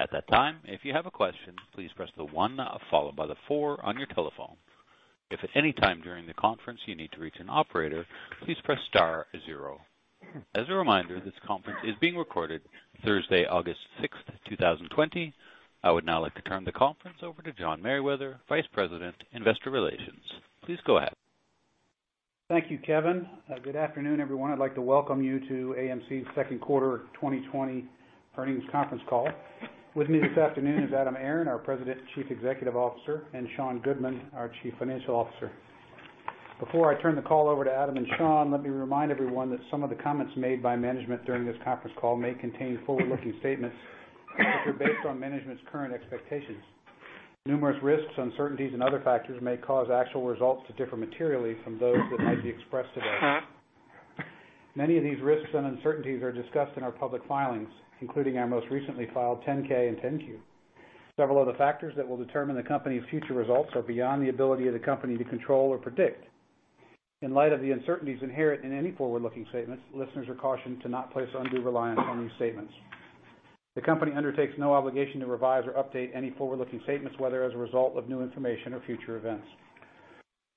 At that time, if you have a question, please press the one followed by the four on your telephone. If at any time during the conference you need to reach an operator, please press star zero. As a reminder, this conference is being recorded Thursday, August 6, 2020. I would now like to turn the conference over to John Merriwether, Vice President, Investor Relations. Please go ahead. Thank you, Kevin. Good afternoon, everyone. I'd like to welcome you to AMC's Second Quarter 2020 Earnings Conference Call. With me this afternoon is Adam Aron, our President and Chief Executive Officer, and Sean Goodman, our Chief Financial Officer. Before I turn the call over to Adam and Sean, let me remind everyone that some of the comments made by management during this conference call may contain forward-looking statements that are based on management's current expectations. Numerous risks, uncertainties, and other factors may cause actual results to differ materially from those that might be expressed today. Many of these risks and uncertainties are discussed in our public filings, including our most recently filed 10-K and 10-Q. Several of the factors that will determine the company's future results are beyond the ability of the company to control or predict. In light of the uncertainties inherent in any forward-looking statements, listeners are cautioned to not place undue reliance on these statements. The company undertakes no obligation to revise or update any forward-looking statements, whether as a result of new information or future events.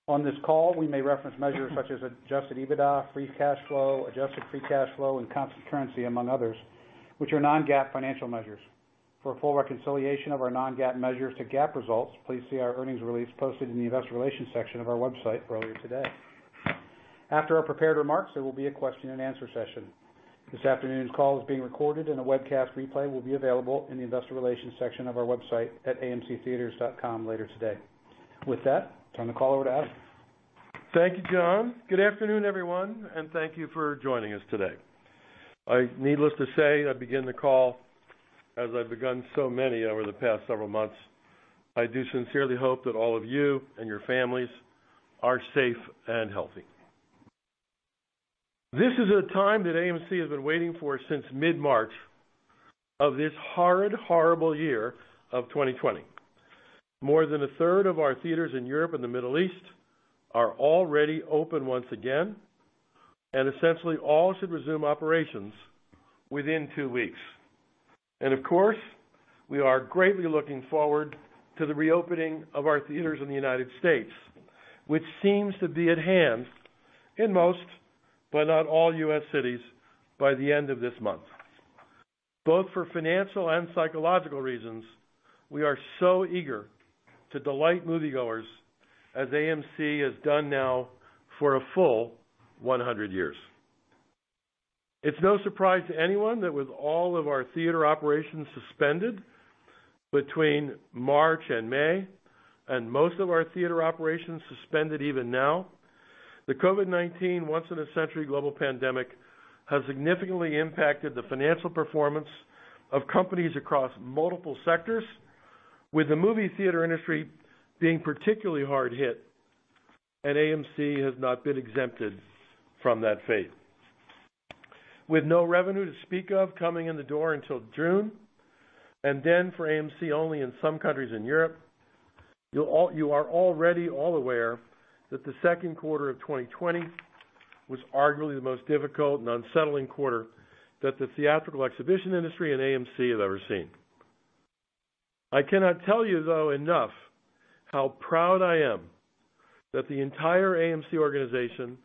On this call, we may reference measures such as adjusted EBITDA, free cash flow, adjusted free cash flow, and constant currency, among others, which are non-GAAP financial measures. For a full reconciliation of our non-GAAP measures to GAAP results, please see our earnings release posted in the investor relations section of our website earlier today. After our prepared remarks, there will be a question-and-answer session. This afternoon's call is being recorded, and a webcast replay will be available in the investor relations section of our website at amctheatres.com later today. With that, turn the call over to Adam. Thank you, John. Good afternoon, everyone. Thank you for joining us today. Needless to say, I begin the call as I've begun so many over the past several months. I do sincerely hope that all of you and your families are safe and healthy. This is a time that AMC has been waiting for since mid-March of this horrid, horrible year of 2020. More than a third of our theaters in Europe and the Middle East are already open once again. Essentially all should resume operations within two weeks. Of course, we are greatly looking forward to the reopening of our theaters in the United States, which seems to be at hand in most, but not all U.S. cities by the end of this month. Both for financial and psychological reasons, we are so eager to delight moviegoers as AMC has done now for a full 100 years. It's no surprise to anyone that with all of our theater operations suspended between March and May, and most of our theater operations suspended even now, the COVID-19 once-in-a-century global pandemic has significantly impacted the financial performance of companies across multiple sectors, with the movie theater industry being particularly hard hit, and AMC has not been exempted from that fate. With no revenue to speak of coming in the door until June, and then for AMC only in some countries in Europe, you are already all aware that the second quarter of 2020 was arguably the most difficult and unsettling quarter that the theatrical exhibition industry and AMC have ever seen. I cannot tell you though enough how proud I am that the entire AMC organization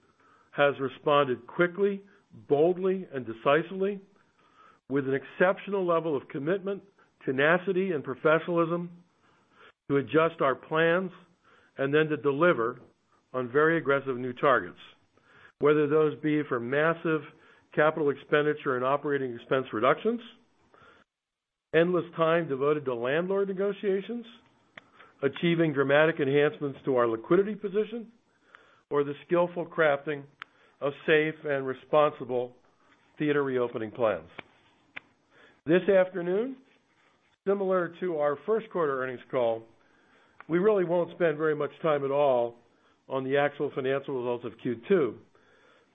has responded quickly, boldly, and decisively with an exceptional level of commitment, tenacity, and professionalism to adjust our plans and then to deliver on very aggressive new targets, whether those be for massive capital expenditure and operating expense reductions, endless time devoted to landlord negotiations, achieving dramatic enhancements to our liquidity position, or the skillful crafting of safe and responsible theater reopening plans. This afternoon, similar to our first quarter earnings call, we really won't spend very much time at all on the actual financial results of Q2,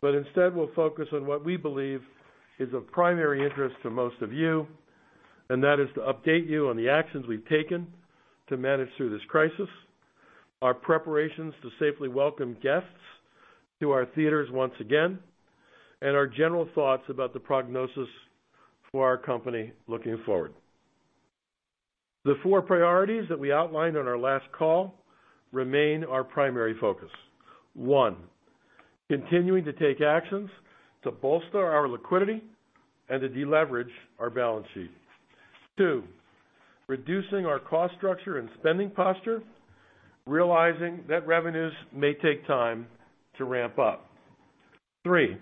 but instead we'll focus on what we believe is of primary interest to most of you, and that is to update you on the actions we've taken to manage through this crisis, our preparations to safely welcome guests to our theaters once again, and our general thoughts about the prognosis for our company looking forward. The four priorities that we outlined on our last call remain our primary focus. One, continuing to take actions to bolster our liquidity and to deleverage our balance sheet. Two, reducing our cost structure and spending posture, realizing that revenues may take time to ramp up. Three,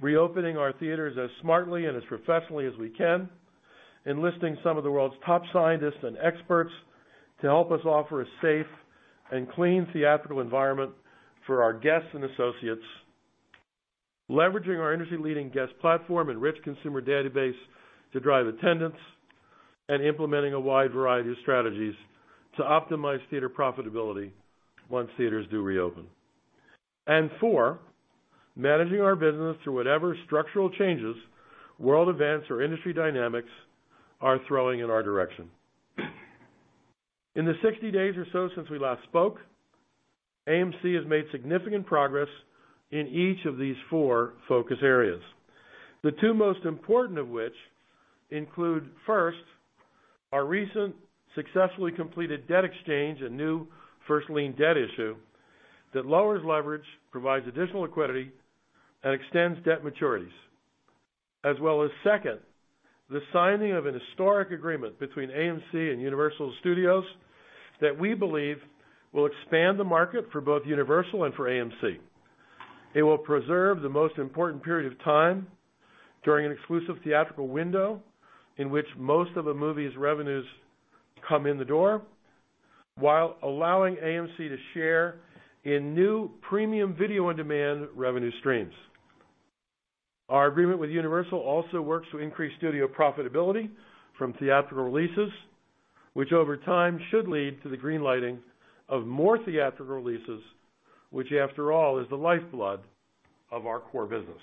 reopening our theaters as smartly and as professionally as we can, enlisting some of the world's top scientists and experts to help us offer a safe and clean theatrical environment for our guests and associates. Leveraging our industry-leading guest platform and rich consumer database to drive attendance and implementing a wide variety of strategies to optimize theater profitability once theaters do reopen. Four, managing our business through whatever structural changes world events or industry dynamics are throwing in our direction. In the 60 days or so since we last spoke, AMC has made significant progress in each of these four focus areas. The two most important of which include, first, our recent successfully completed debt exchange and new first-lien debt issue that lowers leverage, provides additional liquidity, and extends debt maturities. Second, the signing of an historic agreement between AMC and Universal Studios that we believe will expand the market for both Universal and for AMC. It will preserve the most important period of time during an exclusive theatrical window in which most of a movie's revenues come in the door, while allowing AMC to share in new premium video on-demand revenue streams. Our agreement with Universal also works to increase studio profitability from theatrical releases, which over time should lead to the green lighting of more theatrical releases, which, after all, is the lifeblood of our core business.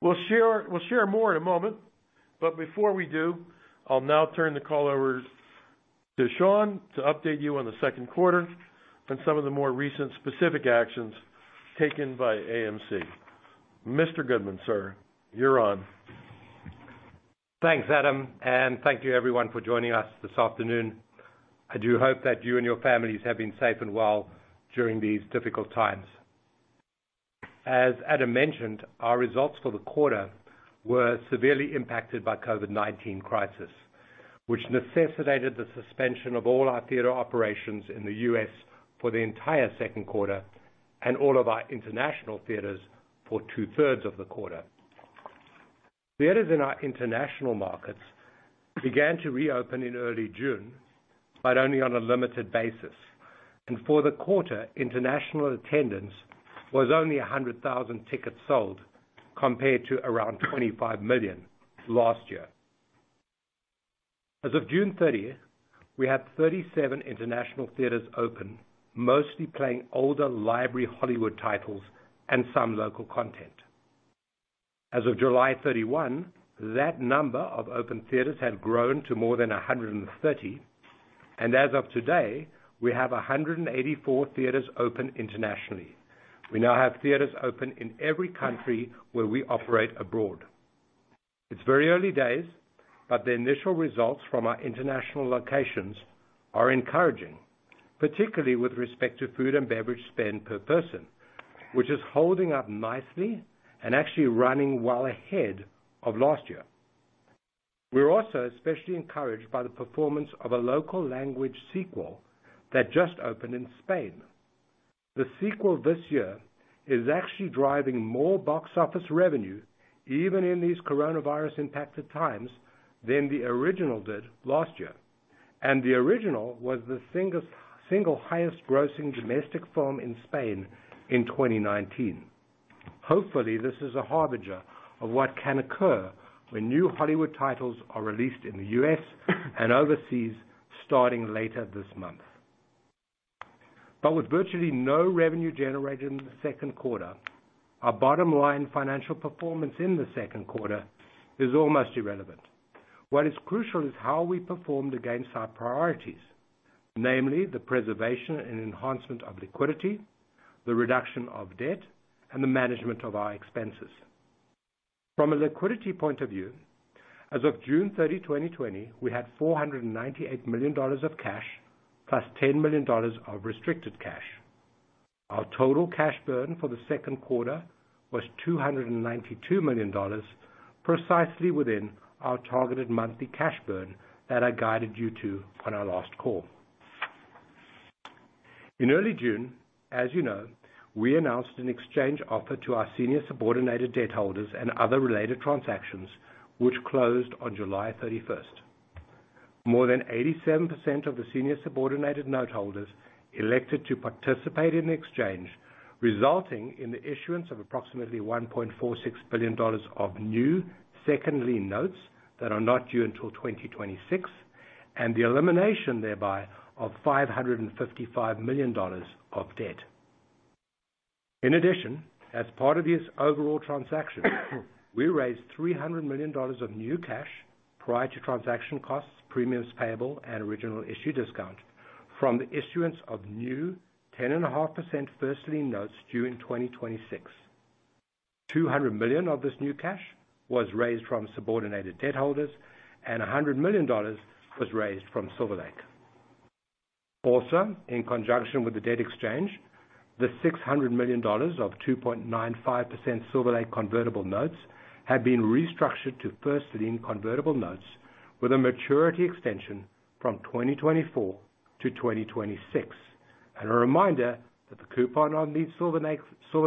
We'll share more in a moment. Before we do, I'll now turn the call over to Sean to update you on the second quarter and some of the more recent specific actions taken by AMC. Mr. Goodman, sir, you're on. Thanks, Adam, and thank you everyone for joining us this afternoon. I do hope that you and your families have been safe and well during these difficult times. As Adam mentioned, our results for the quarter were severely impacted by COVID-19 crisis, which necessitated the suspension of all our theater operations in the U.S. for the entire second quarter and all of our international theaters for two-thirds of the quarter. Theaters in our international markets began to reopen in early June, only on a limited basis. For the quarter, international attendance was only 100,000 tickets sold compared to around 25 million last year. As of June 30, we had 37 international theaters open, mostly playing older library Hollywood titles and some local content. As of July 31, that number of open theaters had grown to more than 130. As of today, we have 184 theaters open internationally. We now have theaters open in every country where we operate abroad. It's very early days, the initial results from our international locations are encouraging, particularly with respect to food and beverage spend per person, which is holding up nicely and actually running well ahead of last year. We're also especially encouraged by the performance of a local language sequel that just opened in Spain. The sequel this year is actually driving more box office revenue, even in these COVID-19-impacted times, than the original did last year. The original was the single highest grossing domestic film in Spain in 2019. Hopefully, this is a harbinger of what can occur when new Hollywood titles are released in the U.S. and overseas, starting later this month. With virtually no revenue generated in the second quarter, our bottom line financial performance in the second quarter is almost irrelevant. What is crucial is how we performed against our priorities, namely the preservation and enhancement of liquidity, the reduction of debt, and the management of our expenses. From a liquidity point of view, as of June 30, 2020, we had $498 million of cash plus $10 million of restricted cash. Our total cash burn for the second quarter was $292 million, precisely within our targeted monthly cash burn that I guided you to on our last call. In early June, as you know, we announced an exchange offer to our senior subordinated debt holders and other related transactions, which closed on July 31st. More than 87% of the senior subordinated note holders elected to participate in the exchange, resulting in the issuance of approximately $1.46 billion of new second-lien notes that are not due until 2026, and the elimination thereby of $555 million of debt. In addition, as part of this overall transaction, we raised $300 million of new cash, prior to transaction costs, premiums payable, and original issue discount, from the issuance of new 10.5% first lien notes due in 2026. $200 million of this new cash was raised from subordinated debt holders, $100 million was raised from Silver Lake. In conjunction with the debt exchange, the $600 million of 2.95% Silver Lake convertible notes have been restructured to first lien convertible notes with a maturity extension from 2024 to 2026. A reminder that the coupon on these Silver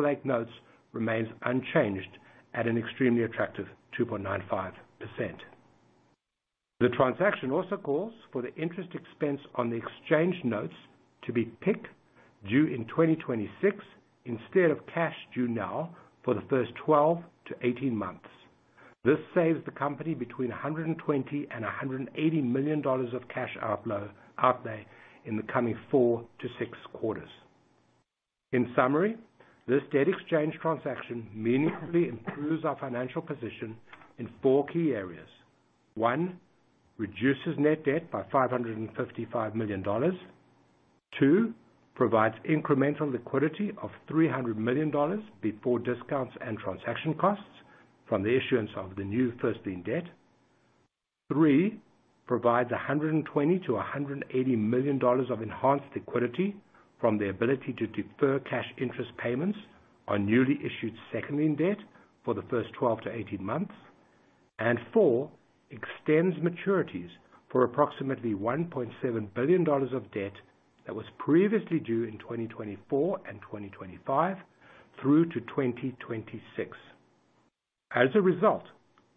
Lake notes remains unchanged at an extremely attractive 2.95%. The transaction also calls for the interest expense on the exchange notes to be PIK, due in 2026 instead of cash due now for the first 12-18 months. This saves the company between $120 million and $180 million of cash outlay in the coming four to six quarters. In summary, this debt exchange transaction meaningfully improves our financial position in four key areas. One, reduces net debt by $555 million. Two, provides incremental liquidity of $300 million before discounts and transaction costs from the issuance of the new first-lien debt. Three, provides $120 million-$180 million of enhanced liquidity from the ability to defer cash interest payments on newly issued second-lien debt for the first 12-18 months. Four, extends maturities for approximately $1.7 billion of debt that was previously due in 2024 and 2025 through to 2026. As a result,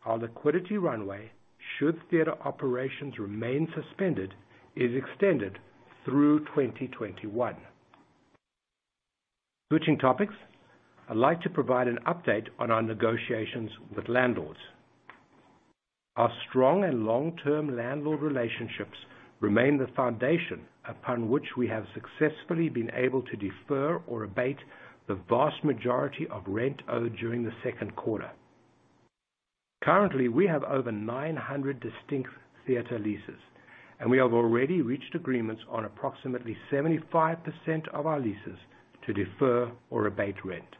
our liquidity runway, should theater operations remain suspended, is extended through 2021. Switching topics, I'd like to provide an update on our negotiations with landlords. Our strong and long-term landlord relationships remain the foundation upon which we have successfully been able to defer or abate the vast majority of rent owed during the second quarter. Currently, we have over 900 distinct theater leases, and we have already reached agreements on approximately 75% of our leases to defer or abate rent.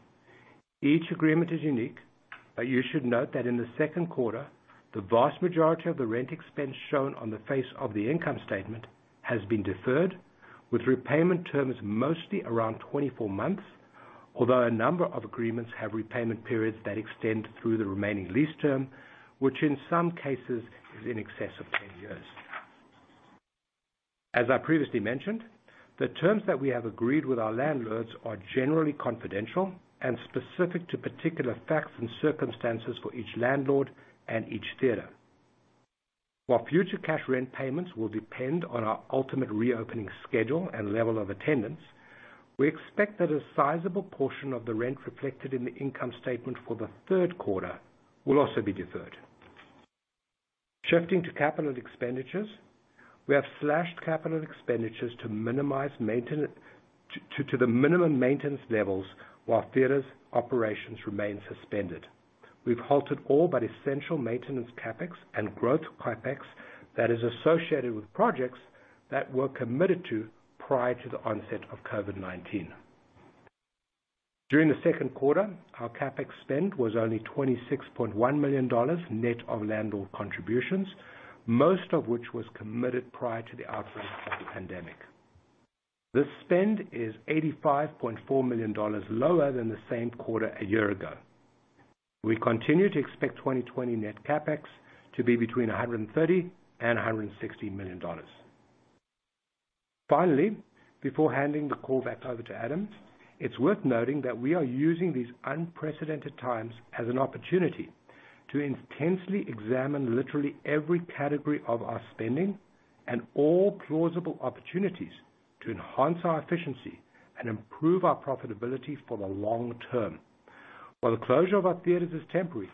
Each agreement is unique, but you should note that in the second quarter, the vast majority of the rent expense shown on the face of the income statement has been deferred with repayment terms mostly around 24 months, although a number of agreements have repayment periods that extend through the remaining lease term, which in some cases is in excess of 10 years. As I previously mentioned, the terms that we have agreed with our landlords are generally confidential and specific to particular facts and circumstances for each landlord and each theater. While future cash rent payments will depend on our ultimate reopening schedule and level of attendance, we expect that a sizable portion of the rent reflected in the income statement for the third quarter will also be deferred. Shifting to capital expenditures, we have slashed capital expenditures to the minimum maintenance levels while theaters' operations remain suspended. We've halted all but essential maintenance CapEx and growth CapEx that is associated with projects that were committed to prior to the onset of COVID-19. During the second quarter, our CapEx spend was only $26.1 million net of landlord contributions, most of which was committed prior to the outbreak of the pandemic. This spend is $85.4 million lower than the same quarter a year ago. We continue to expect 2020 net CapEx to be between $130 million and $160 million. Finally, before handing the call back over to Adam, it's worth noting that we are using these unprecedented times as an opportunity to intensely examine literally every category of our spending and all plausible opportunities to enhance our efficiency and improve our profitability for the long term. While the closure of our theaters is temporary,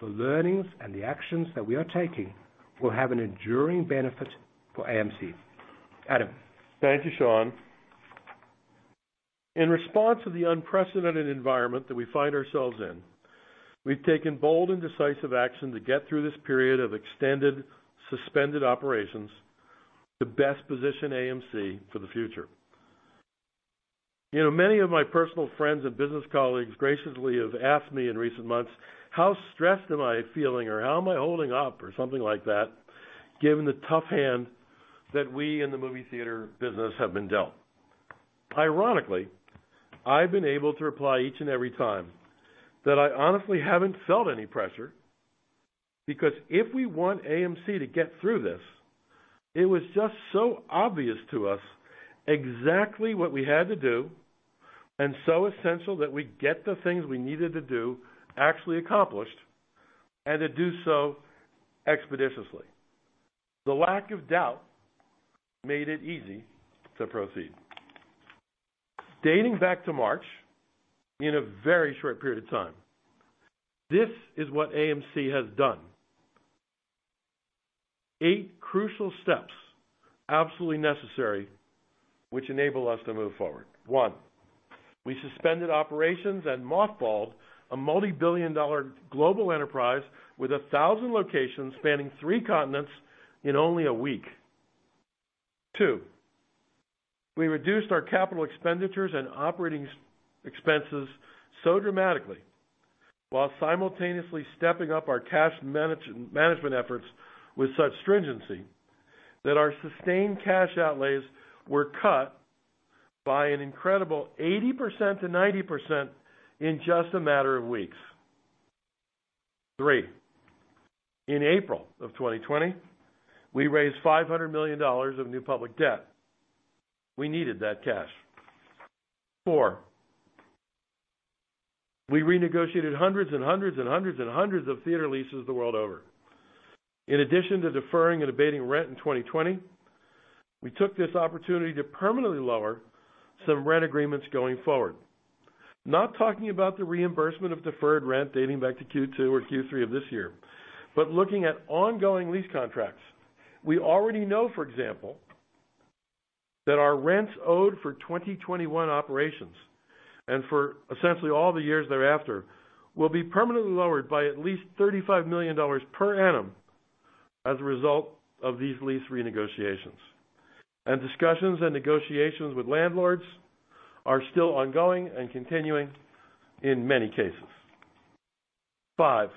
the learnings and the actions that we are taking will have an enduring benefit for AMC. Adam. Thank you, Sean. In response to the unprecedented environment that we find ourselves in, we've taken bold and decisive action to get through this period of extended suspended operations to best position AMC for the future. Many of my personal friends and business colleagues graciously have asked me in recent months, how stressed am I feeling or how am I holding up, or something like that, given the tough hand that we in the movie theater business have been dealt. Ironically, I've been able to reply each and every time that I honestly haven't felt any pressure because if we want AMC to get through this, it was just so obvious to us exactly what we had to do and so essential that we get the things we needed to do actually accomplished and to do so expeditiously. The lack of doubt made it easy to proceed. Dating back to March, in a very short period of time, this is what AMC has done. Eight crucial steps absolutely necessary which enable us to move forward. One, we suspended operations and mothballed a multibillion-dollar global enterprise with 1,000 locations spanning three continents in only a week. Two, we reduced our capital expenditures and operating expenses so dramatically while simultaneously stepping up our cash management efforts with such stringency that our sustained cash outlays were cut by an incredible 80%-90% in just a matter of weeks. Three, in April of 2020, we raised $500 million of new public debt. We needed that cash. Four, we renegotiated hundreds and hundreds and hundreds and hundreds of theater leases the world over. In addition to deferring and abating rent in 2020, we took this opportunity to permanently lower some rent agreements going forward. Not talking about the reimbursement of deferred rent dating back to Q2 or Q3 of this year, but looking at ongoing lease contracts. We already know, for example, that our rents owed for 2021 operations and for essentially all the years thereafter, will be permanently lowered by at least $35 million per annum as a result of these lease renegotiations. Discussions and negotiations with landlords are still ongoing and continuing in many cases. Five,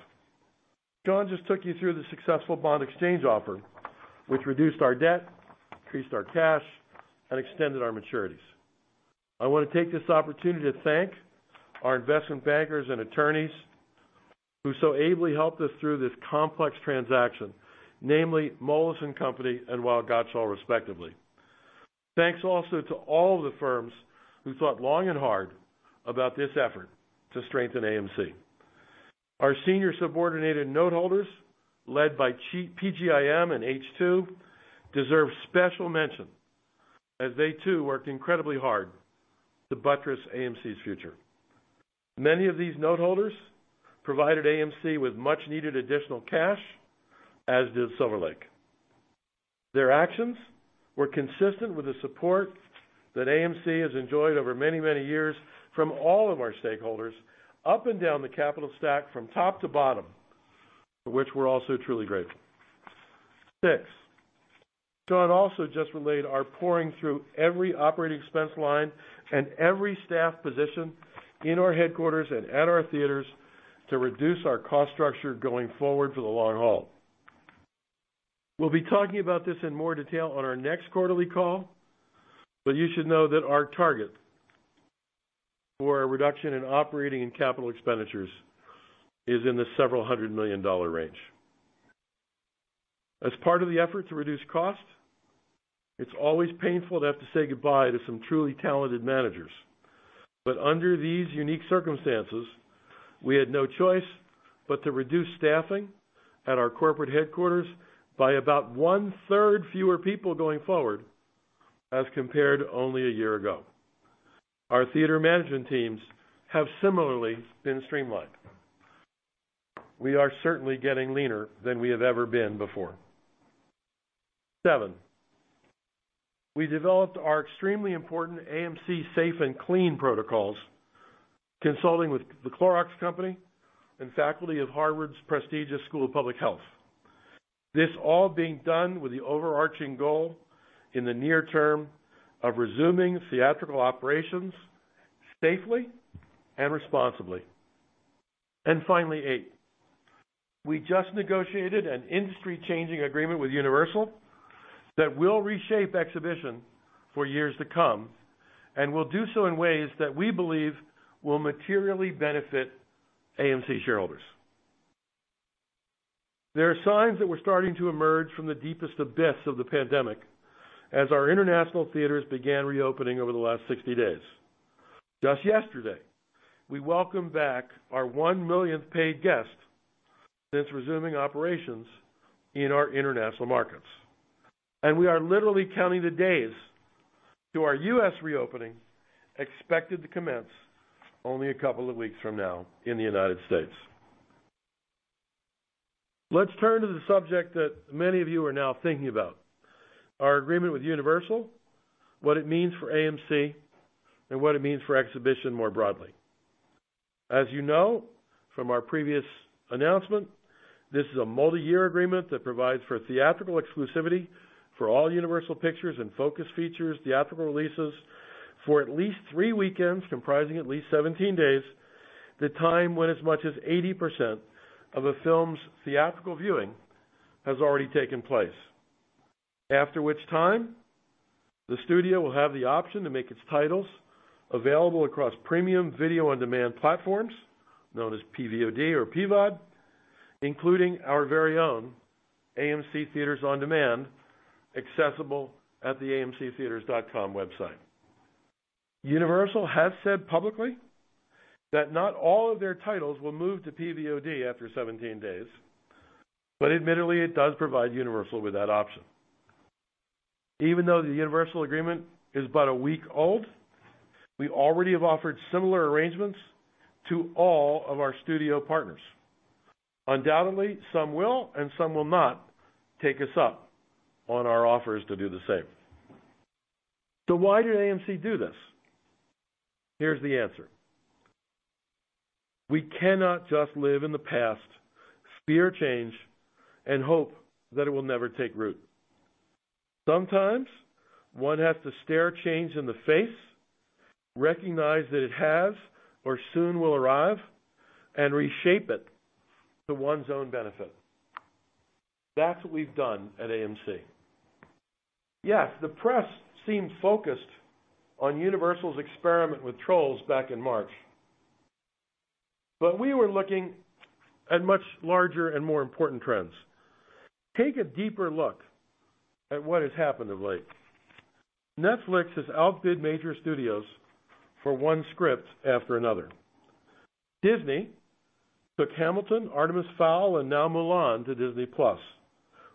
John just took you through the successful bond exchange offer, which reduced our debt, increased our cash, and extended our maturities. I want to take this opportunity to thank our investment bankers and attorneys who so ably helped us through this complex transaction, namely Moelis & Company and Weil, Gotshal respectively. Thanks also to all of the firms who thought long and hard about this effort to strengthen AMC. Our senior subordinated noteholders, led by PGIM and H/2, deserve special mention as they too worked incredibly hard to buttress AMC's future. Many of these noteholders provided AMC with much-needed additional cash, as did Silver Lake. Their actions were consistent with the support that AMC has enjoyed over many, many years from all of our stakeholders up and down the capital stack from top to bottom, for which we're also truly grateful. Six, John also just relayed our poring through every operating expense line and every staff position in our headquarters and at our theaters to reduce our cost structure going forward for the long haul. We'll be talking about this in more detail on our next quarterly call, but you should know that our target for a reduction in operating and capital expenditures is in the several hundred million dollar range. As part of the effort to reduce costs, it's always painful to have to say goodbye to some truly talented managers. Under these unique circumstances, we had no choice but to reduce staffing at our corporate headquarters by about 1/3 fewer people going forward as compared to only a year ago. Our theater management teams have similarly been streamlined. We are certainly getting leaner than we have ever been before. Seven, we developed our extremely important AMC Safe & Clean protocols, consulting with The Clorox Company and faculty of Harvard's prestigious School of Public Health. This all being done with the overarching goal in the near term of resuming theatrical operations safely and responsibly. Finally, eight, we just negotiated an industry-changing agreement with Universal that will reshape exhibition for years to come and will do so in ways that we believe will materially benefit AMC shareholders. There are signs that we're starting to emerge from the deepest abyss of the pandemic as our international theaters began reopening over the last 60 days. Just yesterday, we welcomed back our 1 millionth paid guest since resuming operations in our international markets. We are literally counting the days to our U.S. reopening, expected to commence only a couple of weeks from now in the United States. Let's turn to the subject that many of you are now thinking about, our agreement with Universal, what it means for AMC, and what it means for exhibition more broadly. As you know from our previous announcement, this is a multi-year agreement that provides for theatrical exclusivity for all Universal Pictures and Focus Features theatrical releases for at least three weekends, comprising at least 17 days, the time when as much as 80% of a film's theatrical viewing has already taken place. After which time, the studio will have the option to make its titles available across premium video on demand platforms, known as PVOD or Pvod, including our very own AMC Theatres On Demand, accessible at the amctheatres.com website. Universal has said publicly that not all of their titles will move to PVOD after 17 days, but admittedly, it does provide Universal with that option. Even though the Universal agreement is but a week old, we already have offered similar arrangements to all of our studio partners. Undoubtedly, some will and some will not take us up on our offers to do the same. Why did AMC do this? Here's the answer. We cannot just live in the past, fear change, and hope that it will never take root. Sometimes one has to stare change in the face, recognize that it has or soon will arrive, and reshape it to one's own benefit. That's what we've done at AMC. The press seemed focused on Universal's experiment with "Trolls" back in March, but we were looking at much larger and more important trends. Take a deeper look at what has happened of late. Netflix has outbid major studios for one script after another. Disney took Hamilton, Artemis Fowl, and now Mulan to Disney+.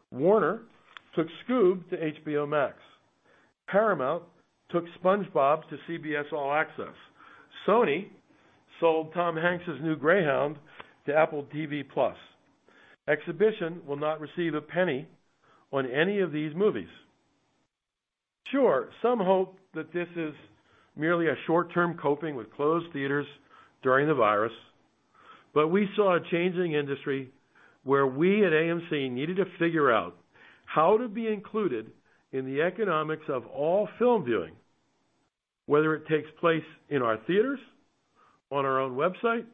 Warner took Scoob! to HBO Max. Paramount took SpongeBob to CBS All Access. Sony sold Tom Hanks' new Greyhound to Apple TV+. Exhibition will not receive a penny on any of these movies. Sure, some hope that this is merely a short-term coping with closed theaters during the virus, but we saw a changing industry where we at AMC needed to figure out how to be included in the economics of all film viewing, whether it takes place in our theaters, on our own website,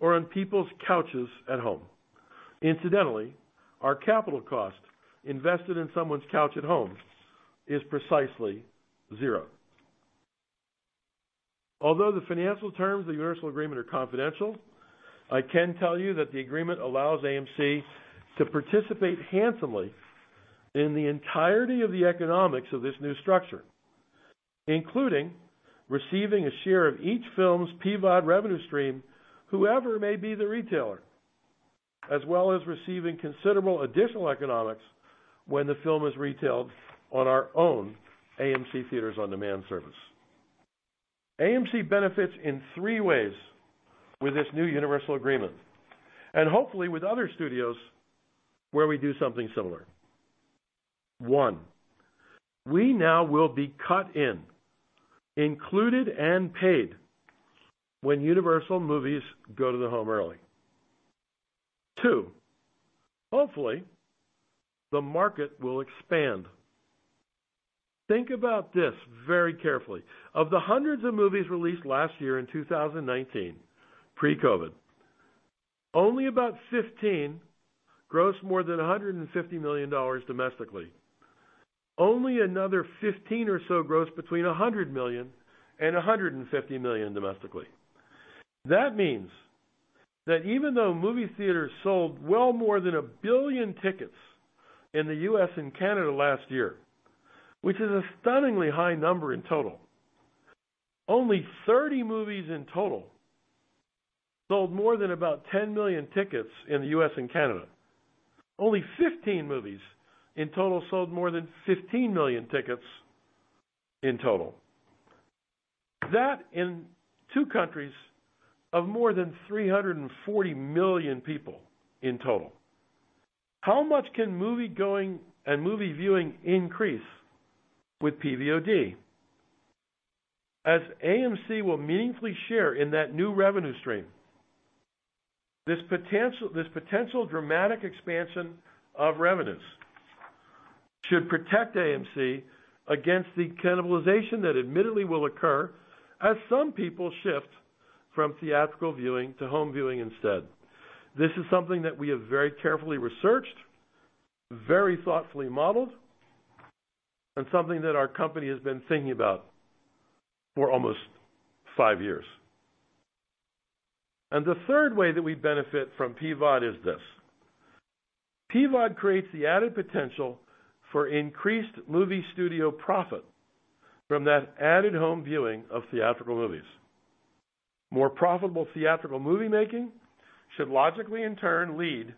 or on people's couches at home. Incidentally, our capital cost invested in someone's couch at home is precisely zero. Although the financial terms of the Universal agreement are confidential, I can tell you that the agreement allows AMC to participate handsomely in the entirety of the economics of this new structure, including receiving a share of each film's PVOD revenue stream, whoever may be the retailer, as well as receiving considerable additional economics when the film is retailed on our own AMC Theatres On Demand service. AMC benefits in three ways with this new Universal agreement, and hopefully with other studios, where we do something similar. One, we now will be cut in, included, and paid when Universal movies go to the home early. Two, hopefully, the market will expand. Think about this very carefully. Of the hundreds of movies released last year in 2019, pre-COVID-19, only about 15 grossed more than $150 million domestically. Only another 15 or so grossed between $100 million and $150 million domestically. That means that even though movie theaters sold well more than 1 billion tickets in the U.S. and Canada last year, which is a stunningly high number in total, only 30 movies in total sold more than about 10 million tickets in the U.S. and Canada. Only 15 movies in total sold more than 15 million tickets in total. That in two countries of more than 340 million people in total. How much can moviegoing and movie viewing increase with PVOD? As AMC will meaningfully share in that new revenue stream, this potential dramatic expansion of revenues should protect AMC against the cannibalization that admittedly will occur as some people shift from theatrical viewing to home viewing instead. This is something that we have very carefully researched, very thoughtfully modeled, and something that our company has been thinking about for almost five years. The third way that we benefit from PVOD is this. PVOD creates the added potential for increased movie studio profit from that added home viewing of theatrical movies. More profitable theatrical movie making should logically, in turn, lead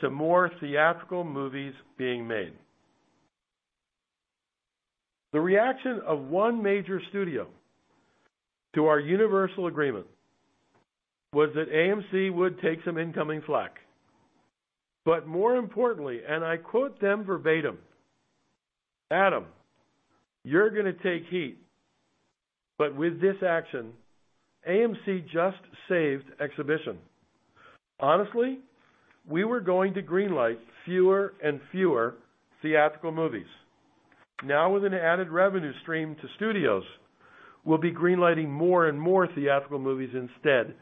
to more theatrical movies being made. The reaction of one major studio to our Universal agreement was that AMC would take some incoming flak. More importantly, and I quote them verbatim, "Adam, you're gonna take heat, but with this action, AMC just saved exhibition. Honestly, we were going to greenlight fewer and fewer theatrical movies. Now, with an added revenue stream to studios, we'll be greenlighting more and more theatrical movies instead."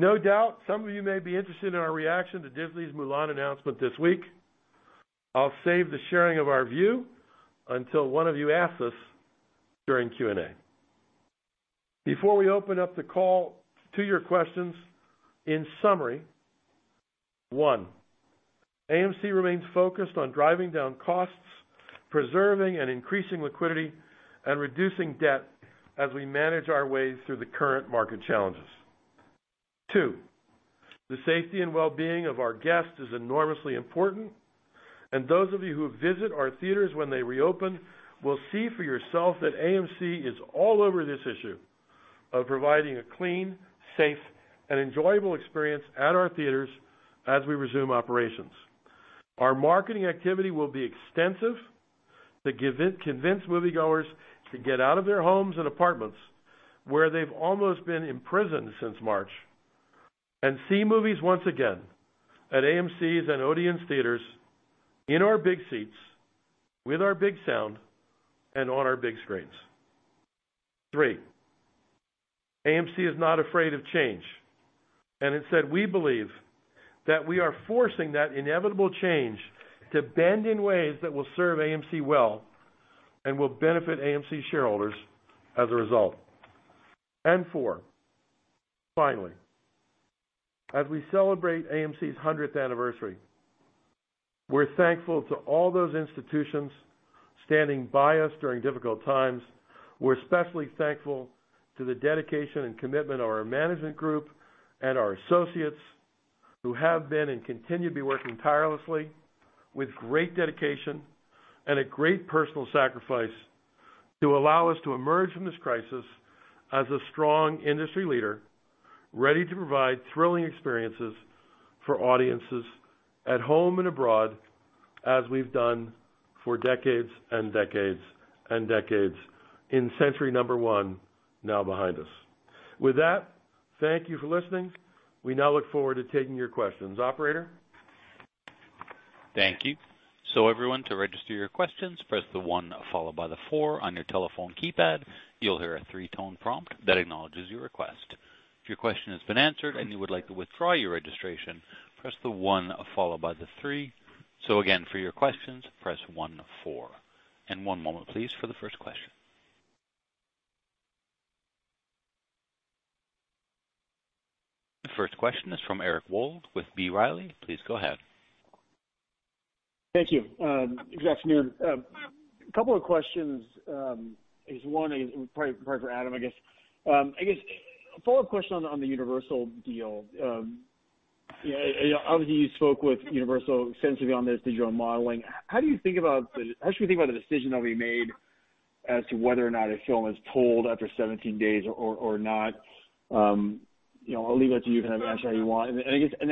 No doubt some of you may be interested in our reaction to Disney's Mulan announcement this week. I'll save the sharing of our view until one of you asks us during Q&A. Before we open up the call to your questions, in summary, one, AMC remains focused on driving down costs, preserving and increasing liquidity, and reducing debt as we manage our way through the current market challenges. Two, the safety and wellbeing of our guests is enormously important, and those of you who visit our theaters when they reopen will see for yourself that AMC is all over this issue of providing a clean, safe, and enjoyable experience at our theaters as we resume operations. Our marketing activity will be extensive to convince moviegoers to get out of their homes and apartments, where they've almost been imprisoned since March, and see movies once again at AMC's and Odeon's theaters, in our big seats, with our big sound, and on our big screens. Three, AMC is not afraid of change, and instead, we believe that we are forcing that inevitable change to bend in ways that will serve AMC well and will benefit AMC shareholders as a result. Four, finally. As we celebrate AMC's 100th anniversary, we're thankful to all those institutions standing by us during difficult times. We're especially thankful to the dedication and commitment of our management group and our associates who have been and continue to be working tirelessly with great dedication and a great personal sacrifice to allow us to emerge from this crisis as a strong industry leader, ready to provide thrilling experiences for audiences at home and abroad, as we've done for decades and decades and decades in century number one now behind us. With that, thank you for listening. We now look forward to taking your questions. Operator? Thank you. Everyone, to register your questions, press the one followed by the four on your telephone keypad. You'll hear a three-tone prompt that acknowledges your request. If your question has been answered and you would like to withdraw your registration, press the one followed by the three. Again, for your questions, press one, four. One moment, please, for the first question. The first question is from Eric Wold with B. Riley. Please go ahead. Thank you. Good afternoon. A couple of questions. There's one, probably for Adam, I guess. A follow-up question on the Universal deal. Obviously, you spoke with Universal extensively on this digital modeling. How should we think about the decision that will be made as to whether or not a film is pulled after 17 days or not? I'll leave that to you, kind of answer how you want.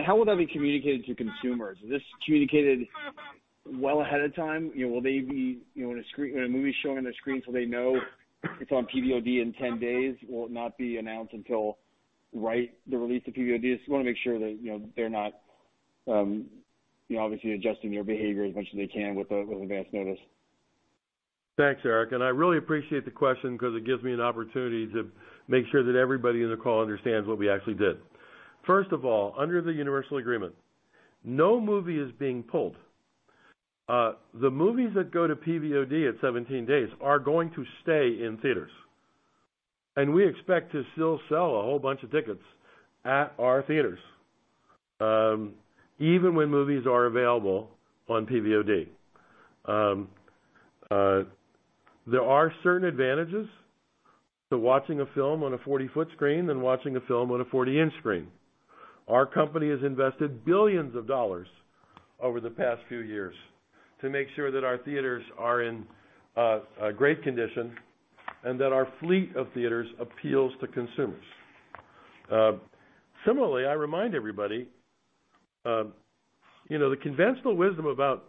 How will that be communicated to consumers? Is this communicated well ahead of time? When a movie's showing on their screen, so they know it's on PVOD in 10 days? Will it not be announced until right the release of PVOD? Just want to make sure that they're not obviously adjusting their behavior as much as they can with advance notice. Thanks, Eric. I really appreciate the question because it gives me an opportunity to make sure that everybody in the call understands what we actually did. First of all, under the Universal agreement, no movie is being pulled. The movies that go to PVOD at 17 days are going to stay in theaters, and we expect to still sell a whole bunch of tickets at our theaters, even when movies are available on PVOD. There are certain advantages to watching a film on a 40-foot screen than watching a film on a 40-inch screen. Our company has invested billions of dollars over the past few years to make sure that our theaters are in great condition and that our fleet of theaters appeals to consumers. Similarly, I remind everybody, the conventional wisdom about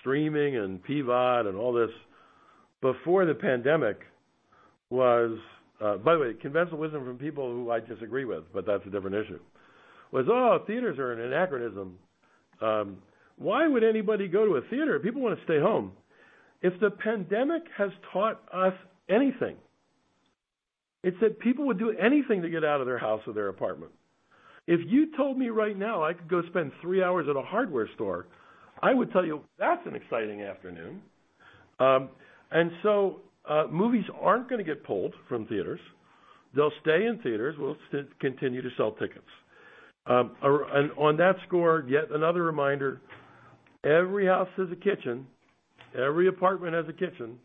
streaming and PVOD and all this before the pandemic, by the way, conventional wisdom from people who I disagree with, but that's a different issue, was, "Oh, theaters are an anachronism. Why would anybody go to a theater? People want to stay home." If the pandemic has taught us anything, it's that people would do anything to get out of their house or their apartment. If you told me right now I could go spend three hours at a hardware store, I would tell you, "That's an exciting afternoon." Movies aren't going to get pulled from theaters. They'll stay in theaters. We'll continue to sell tickets. On that score, yet another reminder, every house has a kitchen, every apartment has a kitchen.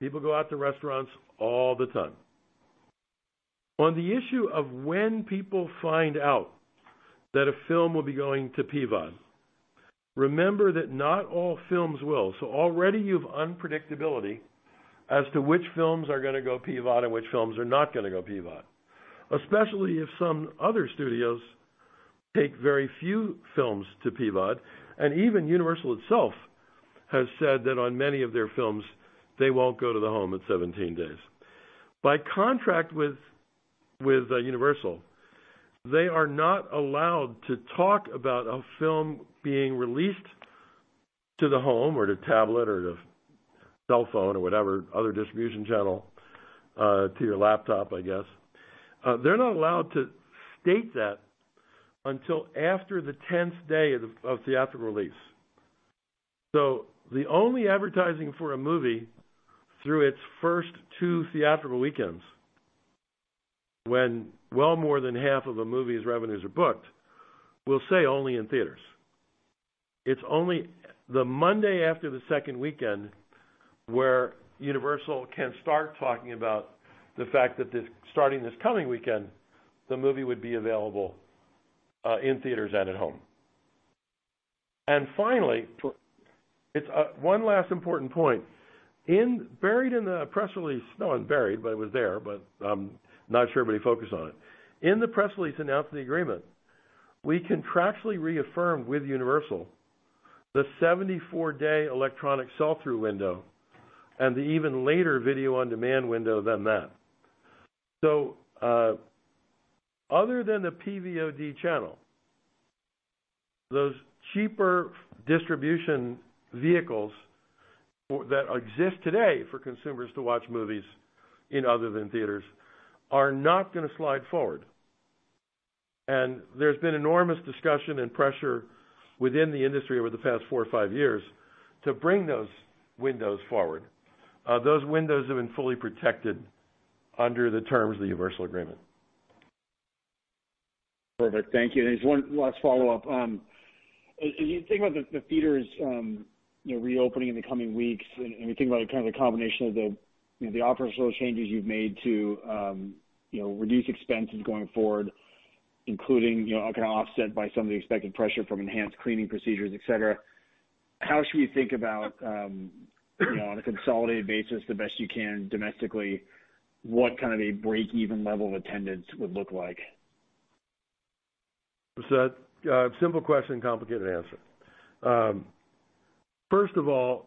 People go out to restaurants all the time. On the issue of when people find out that a film will be going to PVOD, remember that not all films will. Already you have unpredictability as to which films are going to go PVOD and which films are not going to go PVOD, especially if some other studios take very few films to PVOD, and even Universal itself has said that on many of their films, they won't go to the home at 17 days. By contract with Universal, they are not allowed to talk about a film being released to the home or to tablet or to cellphone or whatever other distribution channel, to your laptop, I guess. They're not allowed to state that until after the 10th day of theatrical release. The only advertising for a movie through its first two theatrical weekends, when well more than half of a movie's revenues are booked, will say only in theaters. It's only the Monday after the second weekend where Universal can start talking about the fact that starting this coming weekend, the movie would be available in theaters and at home. Finally, one last important point. Buried in the press release, no, unburied, but it was there, but I'm not sure everybody focused on it. In the press release announcing the agreement, we contractually reaffirmed with Universal the 74-day electronic sell-through window and the even later video-on-demand window than that. Other than the PVOD channel, those cheaper distribution vehicles that exist today for consumers to watch movies in other than theaters are not going to slide forward. There's been enormous discussion and pressure within the industry over the past four or five years to bring those windows forward. Those windows have been fully protected under the terms of the universal agreement. Perfect. Thank you. There's one last follow-up. As you think about the theaters reopening in the coming weeks, and you think about the combination of the operational changes you've made to reduce expenses going forward, including offset by some of the expected pressure from enhanced cleaning procedures, et cetera, how should we think about, on a consolidated basis, the best you can domestically, what kind of a break-even level of attendance would look like? It's a simple question, complicated answer. First of all,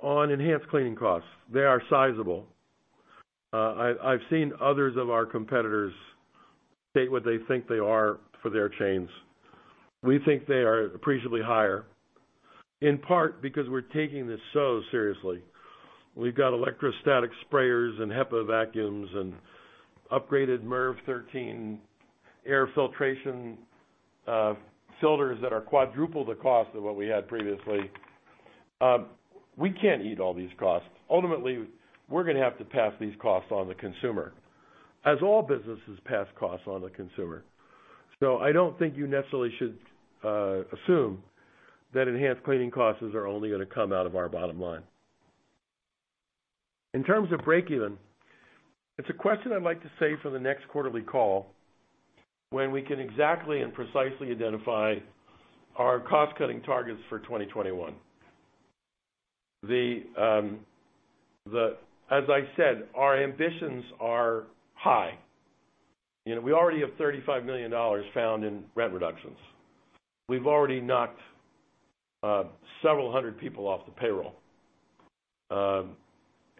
on enhanced cleaning costs, they are sizable. I've seen others of our competitors state what they think they are for their chains. We think they are appreciably higher, in part because we're taking this so seriously. We've got electrostatic sprayers and HEPA vacuums and upgraded MERV 13 air filtration filters that are quadruple the cost of what we had previously. We can't eat all these costs. Ultimately, we're going to have to pass these costs on to the consumer, as all businesses pass costs on to the consumer. I don't think you necessarily should assume that enhanced cleaning costs are only going to come out of our bottom line. In terms of break-even, it's a question I'd like to save for the next quarterly call when we can exactly and precisely identify our cost-cutting targets for 2021. As I said, our ambitions are high. We already have $35 million found in rent reductions. We've already knocked several hundred people off the payroll.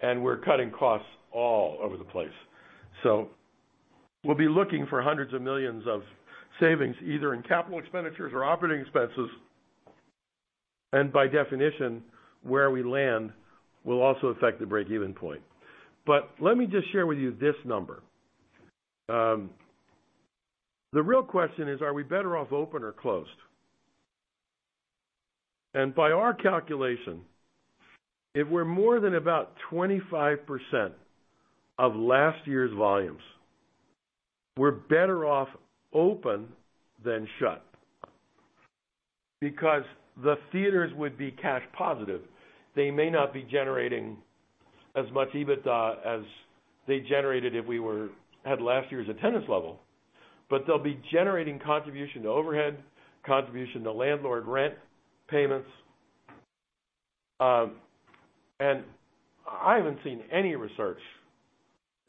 We're cutting costs all over the place. We'll be looking for hundreds of millions of savings, either in capital expenditures or operating expenses, and by definition, where we land will also affect the break-even point. Let me just share with you this number. The real question is, are we better off open or closed? By our calculation, if we're more than about 25% of last year's volumes, we're better off open than shut because the theaters would be cash positive. They may not be generating as much EBITDA as they generated if we had last year's attendance level, but they'll be generating contribution to overhead, contribution to landlord rent payments. I haven't seen any research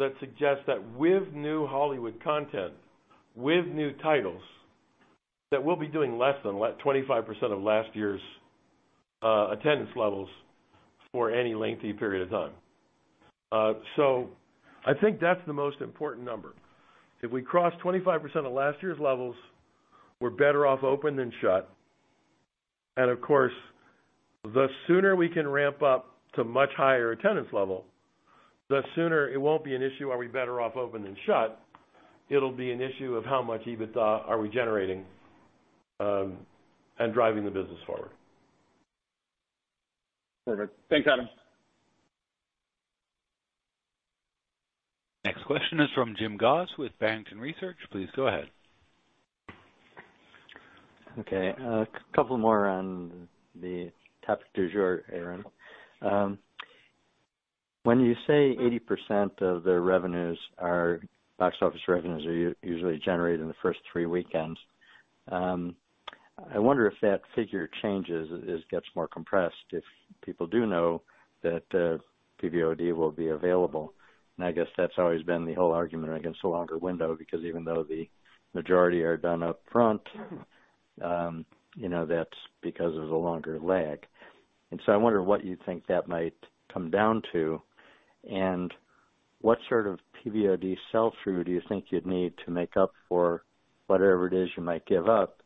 that suggests that with new Hollywood content, with new titles, that we'll be doing less than 25% of last year's attendance levels for any lengthy period of time. I think that's the most important number. If we cross 25% of last year's levels, we're better off open than shut. Of course, the sooner we can ramp up to much higher attendance level, the sooner it won't be an issue are we better off open than shut, it'll be an issue of how much EBITDA are we generating and driving the business forward. Perfect. Thanks, Adam. Next question is from Jim Goss with Barrington Research. Please go ahead. Okay, a couple more on the topic du jour, Adam. When you say 80% of the box office revenues are usually generated in the first three weekends, I wonder if that figure changes, it gets more compressed if people do know that PVOD will be available. I guess that's always been the whole argument against a longer window because even though the majority are done up front, that's because of the longer lag. I wonder what you think that might come down to and what sort of PVOD sell-through do you think you'd need to make up for whatever it is you might give up?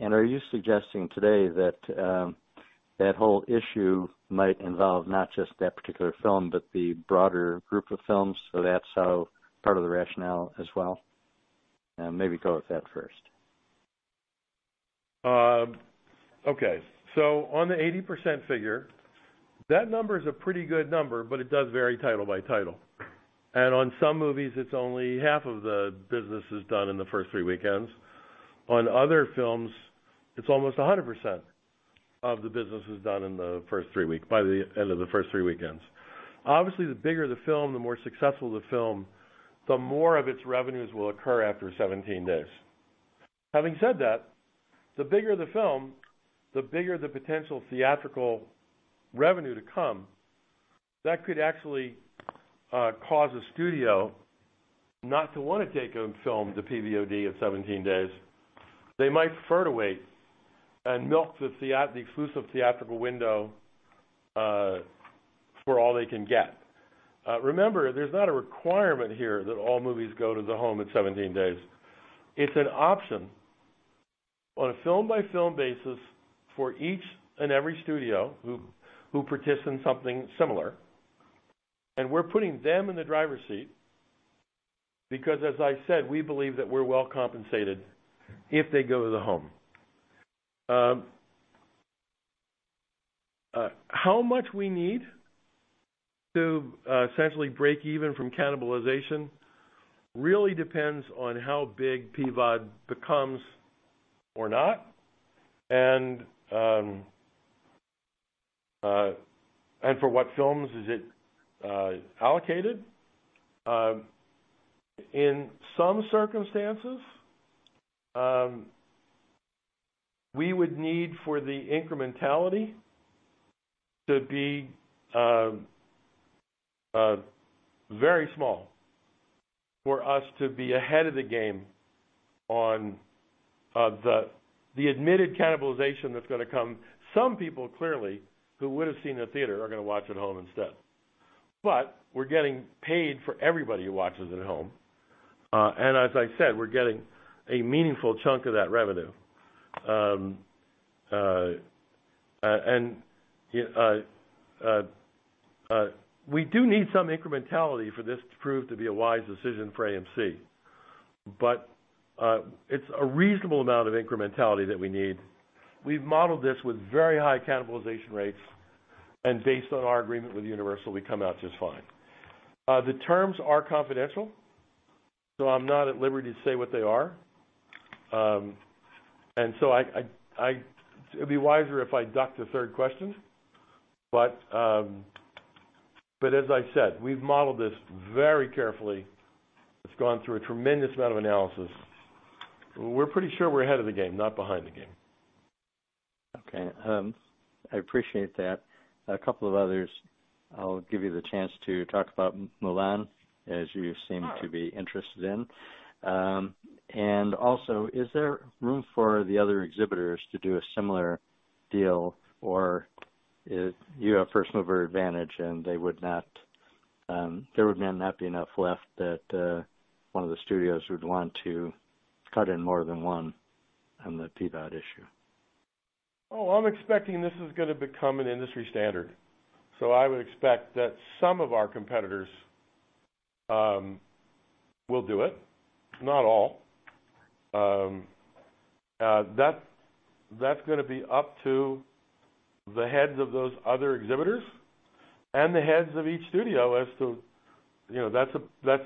Are you suggesting today that that whole issue might involve not just that particular film, but the broader group of films, that's how part of the rationale as well? Maybe go with that first. Okay. On the 80% figure, that number is a pretty good number, but it does vary title by title. On some movies, it's only half of the business is done in the first three weekends. On other films, it's almost 100% of the business is done by the end of the first three weekends. Obviously, the bigger the film, the more successful the film, the more of its revenues will occur after 17 days. Having said that, the bigger the film, the bigger the potential theatrical revenue to come. That could actually cause a studio not to want to take a film to PVOD in 17 days. They might prefer to wait and milk the exclusive theatrical window for all they can get. Remember, there's not a requirement here that all movies go to the home in 17 days. It's an option on a film-by-film basis for each and every studio who participates in something similar, and we're putting them in the driver's seat because, as I said, we believe that we're well compensated if they go to the home. How much we need to essentially break even from cannibalization really depends on how big PVOD becomes or not, and for what films is it allocated. In some circumstances, we would need for the incrementality to be very small for us to be ahead of the game on the admitted cannibalization that's going to come. Some people, clearly, who would've seen it in the theater are going to watch at home instead. We're getting paid for everybody who watches at home. As I said, we're getting a meaningful chunk of that revenue. We do need some incrementality for this to prove to be a wise decision for AMC. It's a reasonable amount of incrementality that we need. We've modeled this with very high cannibalization rates, and based on our agreement with Universal, we come out just fine. The terms are confidential, so I'm not at liberty to say what they are. It'd be wiser if I duck the third question. As I said, we've modeled this very carefully. It's gone through a tremendous amount of analysis. We're pretty sure we're ahead of the game, not behind the game. Okay. I appreciate that. A couple of others. I'll give you the chance to talk about "Mulan" as you seem to be interested in. Is there room for the other exhibitors to do a similar deal, or you have first-mover advantage, and there would not be enough left that one of the studios would want to cut in more than one on the PVOD issue? I'm expecting this is going to become an industry standard. I would expect that some of our competitors will do it. Not all. That's going to be up to the heads of those other exhibitors and the heads of each studio. That's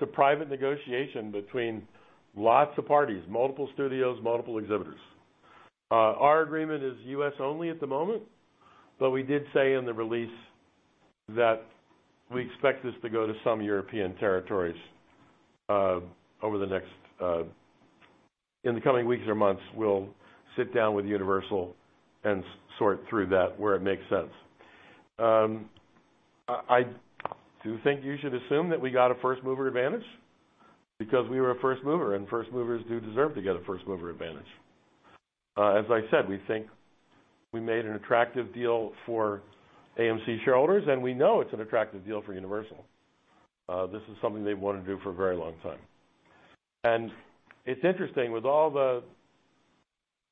a private negotiation between lots of parties, multiple studios, multiple exhibitors. Our agreement is U.S. only at the moment. We did say in the release that we expect this to go to some European territories. In the coming weeks or months, we'll sit down with Universal and sort through that where it makes sense. I do think you should assume that we got a first-mover advantage because we were a first mover, and first movers do deserve to get a first-mover advantage. As I said, we think we made an attractive deal for AMC shareholders. We know it's an attractive deal for Universal. This is something they've wanted to do for a very long time. It's interesting with all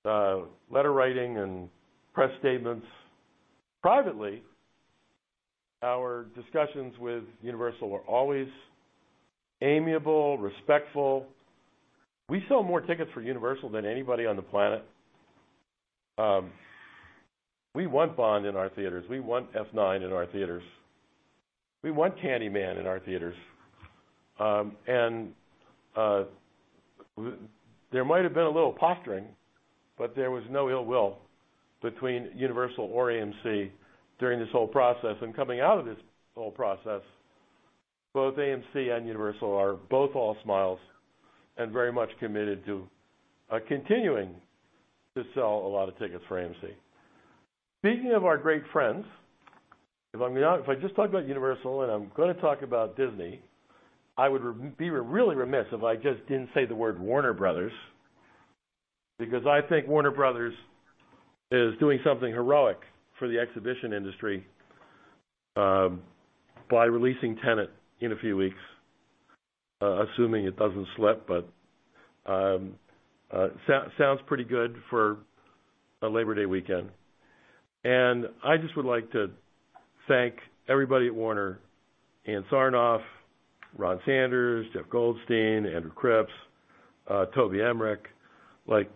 the letter-writing and press statements, privately, our discussions with Universal were always amiable, respectful. We sell more tickets for Universal than anybody on the planet. We want "Bond" in our theaters. We want "F9" in our theaters. We want "Candyman" in our theaters. There might've been a little posturing, but there was no ill will between Universal or AMC during this whole process. Coming out of this whole process, both AMC and Universal are both all smiles and very much committed to continuing to sell a lot of tickets for AMC. Speaking of our great friends, if I just talk about Universal and I am going to talk about Disney, I would be really remiss if I just didn't say the word Warner Bros. because I think Warner Bros. is doing something heroic for the exhibition industry by releasing Tenet in a few weeks, assuming it doesn't slip, but sounds pretty good for a Labor Day weekend. I just would like to thank everybody at Warner, Ann Sarnoff, Ron Sanders, Jeff Goldstein, Andrew Cripps, Toby Emmerich. Warner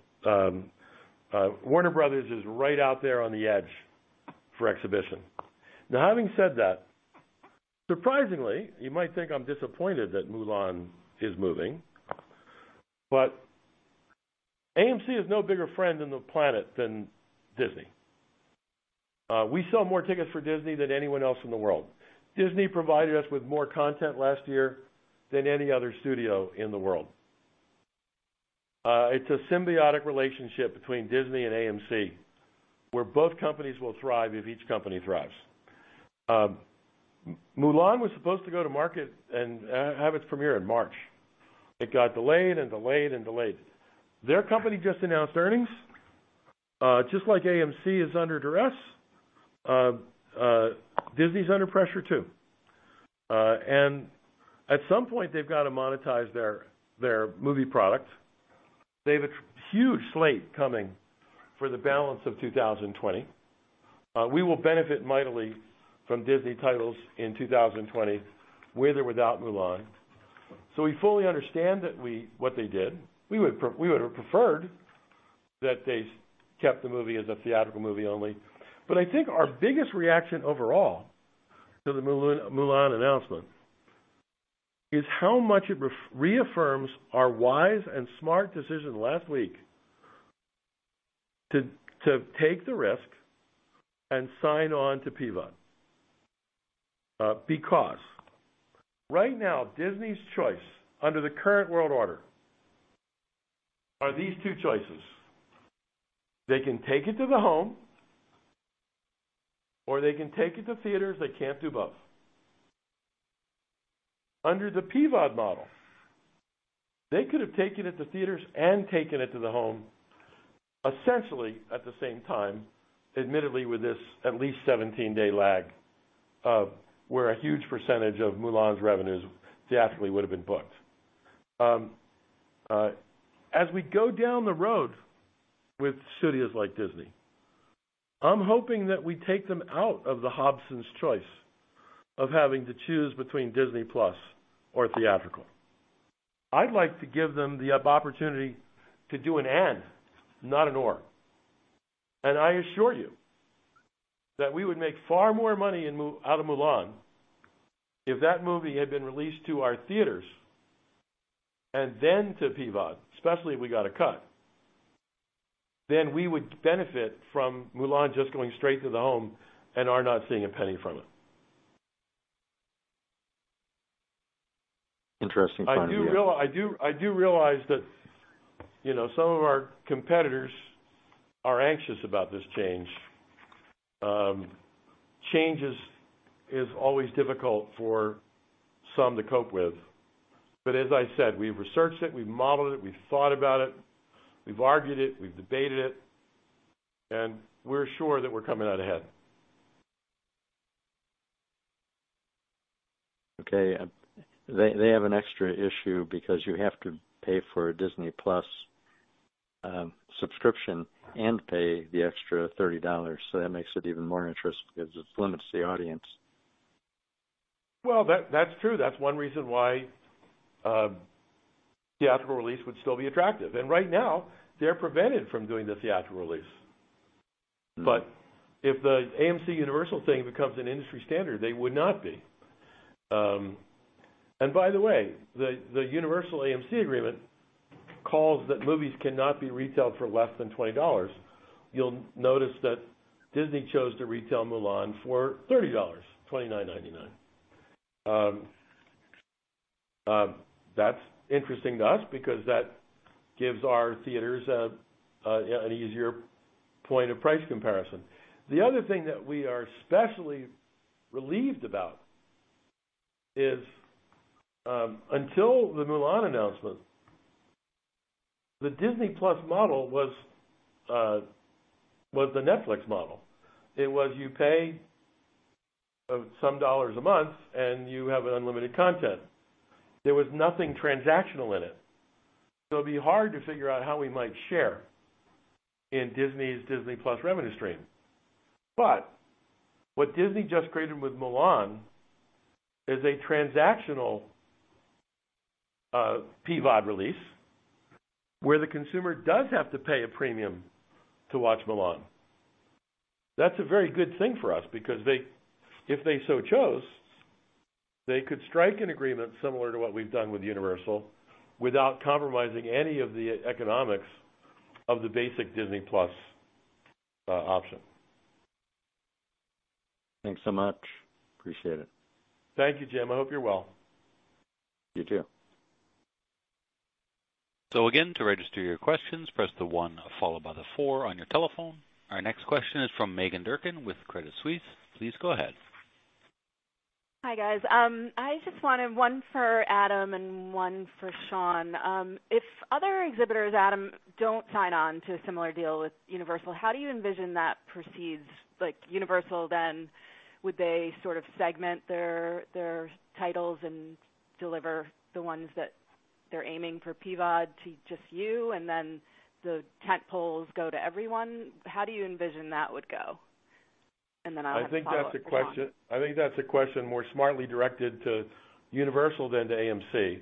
Bros. is right out there on the edge for exhibition. Now having said that, surprisingly, you might think I am disappointed that Mulan is moving, but AMC has no bigger friend on the planet than Disney. We sell more tickets for Disney than anyone else in the world. Disney provided us with more content last year than any other studio in the world. It's a symbiotic relationship between Disney and AMC, where both companies will thrive if each company thrives. "Mulan" was supposed to go to market and have its premiere in March. It got delayed and delayed and delayed. Their company just announced earnings. Just like AMC is under duress, Disney's under pressure, too. At some point, they've got to monetize their movie product. They have a huge slate coming for the balance of 2020. We will benefit mightily from Disney titles in 2020, with or without "Mulan." We fully understand what they did. We would have preferred that they kept the movie as a theatrical movie only. I think our biggest reaction overall to the "Mulan" announcement is how much it reaffirms our wise and smart decision last week to take the risk and sign on to PVOD. Right now, Disney's choice under the current world order are these two choices: They can take it to the home, or they can take it to theaters. They cannot do both. Under the PVOD model, they could have taken it to theaters and taken it to the home, essentially, at the same time, admittedly with this at least 17-day lag, where a huge percentage of Mulan's revenues theatrically would have been booked. As we go down the road with studios like Disney, I am hoping that we take them out of the Hobson's choice of having to choose between Disney+ or theatrical. I would like to give them the opportunity to do an and, not an or. I assure you that we would make far more money out of "Mulan" if that movie had been released to our theaters and then to PVOD, especially if we got a cut, than we would benefit from "Mulan" just going straight to the home and our not seeing a penny from it. Interesting point of view. I do realize that some of our competitors are anxious about this change. Change is always difficult for some to cope with. As I said, we've researched it, we've modeled it, we've thought about it, we've argued it, we've debated it, and we're sure that we're coming out ahead. Okay. They have an extra issue because you have to pay for a Disney+ subscription and pay the extra $30. That makes it even more interesting because it limits the audience. Well, that's true. That's one reason why theatrical release would still be attractive. Right now, they're prevented from doing the theatrical release. If the AMC-Universal thing becomes an industry standard, they would not be. By the way, the Universal-AMC agreement calls that movies cannot be retailed for less than $20. You'll notice that Disney chose to retail "Mulan" for $30, $29.99. That's interesting to us because that gives our theaters an easier point of price comparison. The other thing that we are especially relieved about is, until the "Mulan" announcement, the Disney+ model was the Netflix model. It was you pay some dollars a month, and you have unlimited content. There was nothing transactional in it. It'd be hard to figure out how we might share in Disney's Disney+ revenue stream. What Disney just created with "Mulan" is a transactional PVOD release where the consumer does have to pay a premium to watch "Mulan." That's a very good thing for us because if they so chose, they could strike an agreement similar to what we've done with Universal without compromising any of the economics of the basic Disney+ option. Thanks so much. Appreciate it. Thank you, Jim. I hope you're well. You too. Again, to register your questions, press the one followed by the four on your telephone. Our next question is from Meghan Durkin with Credit Suisse. Please go ahead. Hi, guys. I just wanted one for Adam and one for Sean. If other exhibitors, Adam, don't sign on to a similar deal with Universal, how do you envision that proceeds? Universal, would they sort of segment their titles and deliver the ones that they're aiming for PVOD to just you, and then the tentpoles go to everyone? How do you envision that would go? I'll have a follow-up for Sean. I think that's a question more smartly directed to Universal than to AMC.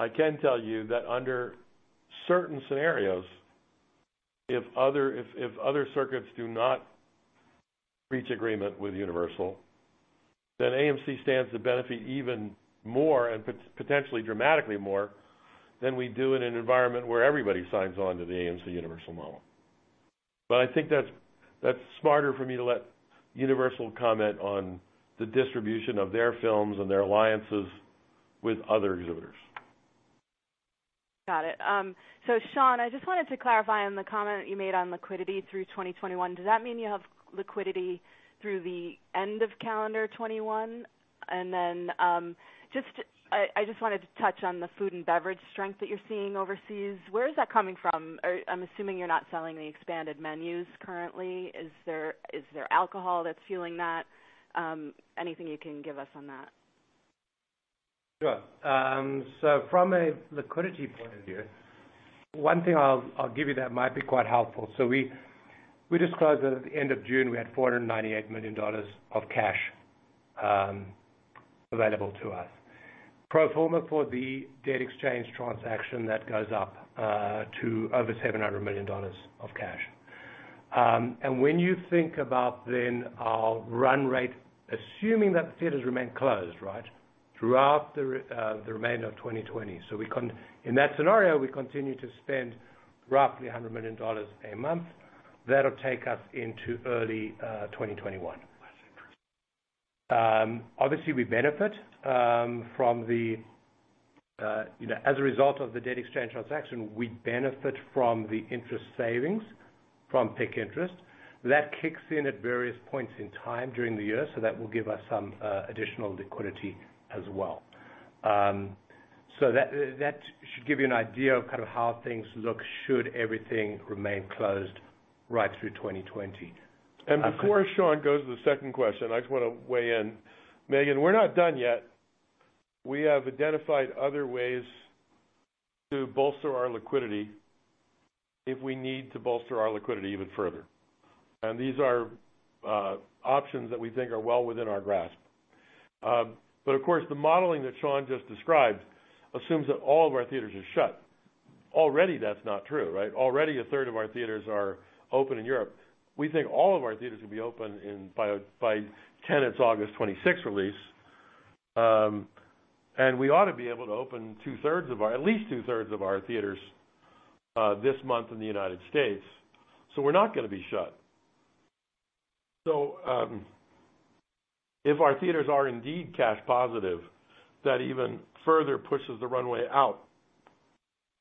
I can tell you that under certain scenarios, if other circuits do not reach agreement with Universal, then AMC stands to benefit even more and potentially dramatically more than we do in an environment where everybody signs on to the AMC-Universal model. I think that's smarter for me to let Universal comment on the distribution of their films and their alliances with other exhibitors. Got it. Sean, I just wanted to clarify on the comment you made on liquidity through 2021. Does that mean you have liquidity through the end of calendar 2021? I just wanted to touch on the food and beverage strength that you're seeing overseas. Where is that coming from? I'm assuming you're not selling the expanded menus currently. Is there alcohol that's fueling that? Anything you can give us on that? Sure. From a liquidity point of view, one thing I'll give you that might be quite helpful. We disclosed that at the end of June, we had $498 million of cash available to us. Pro forma for the debt exchange transaction, that goes up to over $700 million of cash. When you think about our run rate, assuming that the theaters remain closed throughout the remainder of 2020. In that scenario, we continue to spend roughly $100 million a month. That'll take us into early 2021. Obviously, as a result of the debt exchange transaction, we benefit from the interest savings from PIK interest. That kicks in at various points in time during the year, so that will give us some additional liquidity as well. That should give you an idea of how things look, should everything remain closed right through 2020. Before Sean goes to the second question, I just want to weigh in. Meghan, we're not done yet. We have identified other ways to bolster our liquidity if we need to bolster our liquidity even further. These are options that we think are well within our grasp. Of course, the modeling that Sean just described assumes that all of our theaters are shut. Already, that's not true. Already a 1/3 of our theaters are open in Europe. We think all of our theaters will be open by Tenet's August 26th release. We ought to be able to open at least 2/3 of our theaters this month in the United States. We're not going to be shut. If our theaters are indeed cash positive, that even further pushes the runway out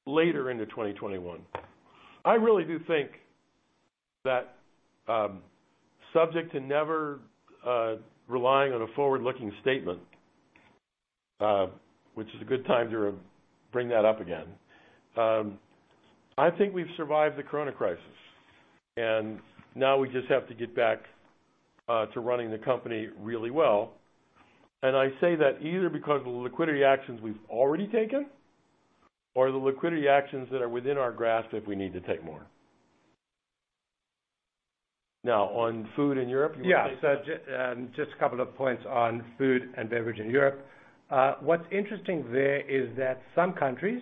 later into 2021. I really do think that, subject to never relying on a forward-looking statement, which is a good time to bring that up again. I think we've survived the corona crisis, and now we just have to get back to running the company really well. I say that either because of the liquidity actions we've already taken or the liquidity actions that are within our grasp if we need to take more. On food in Europe, you want me to take that? Yeah. Just a couple of points on food and beverage in Europe. What's interesting there is that some countries,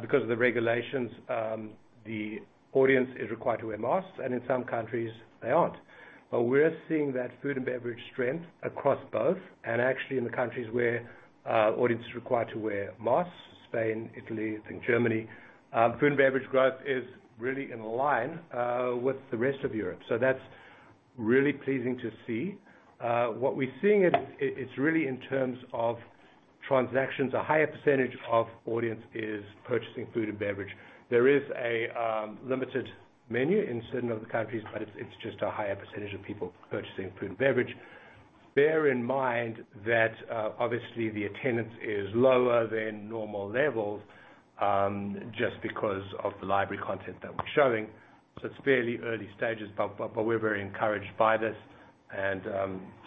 because of the regulations, the audience is required to wear masks, and in some countries they aren't. We're seeing that food and beverage strength across both and actually in the countries where audience is required to wear masks, Spain, Italy, I think Germany. Food and beverage growth is really in line with the rest of Europe. That's really pleasing to see. What we're seeing, it's really in terms of transactions. A higher percentage of audience is purchasing food and beverage. There is a limited menu in certain of the countries, but it's just a higher percentage of people purchasing food and beverage. Bear in mind that obviously the attendance is lower than normal levels, just because of the library content that we're showing. It's fairly early stages, but we're very encouraged by this and,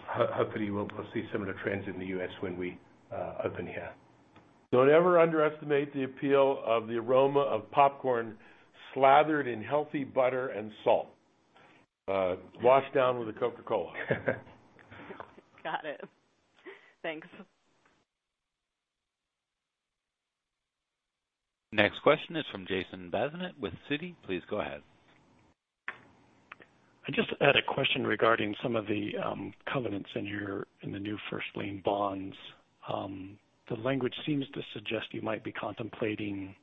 hopefully, we'll see similar trends in the U.S. when we open here. Don't ever underestimate the appeal of the aroma of popcorn slathered in healthy butter and salt, washed down with a Coca-Cola. Got it. Thanks. Next question is from Jason Bazinet with Citi. Please go ahead. I just had a question regarding some of the covenants in the new first lien bonds. The language seems to suggest you might be contemplating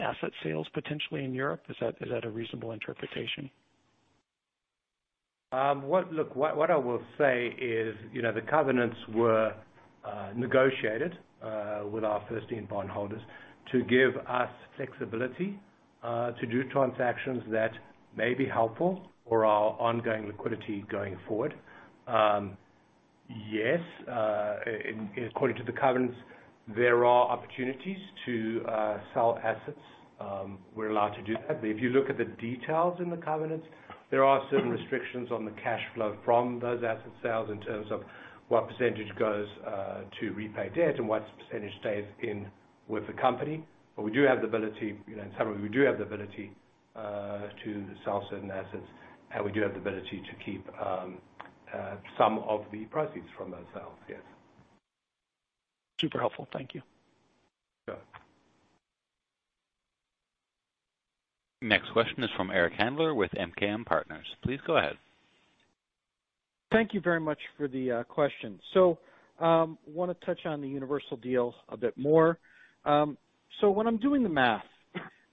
asset sales potentially in Europe. Is that a reasonable interpretation? What I will say is the covenants were negotiated with our first lien bondholders to give us flexibility to do transactions that may be helpful for our ongoing liquidity going forward. According to the covenants, there are opportunities to sell assets. We're allowed to do that. If you look at the details in the covenants, there are certain restrictions on the cash flow from those asset sales in terms of what percentage goes to repay debt and what percentage stays with the company. We do have the ability, in summary, we do have the ability to sell certain assets, and we do have the ability to keep some of the proceeds from those sales. Super helpful. Thank you. Sure. Next question is from Eric Handler with MKM Partners. Please go ahead. Thank you very much for the question. Want to touch on the Universal deal a bit more. When I'm doing the math,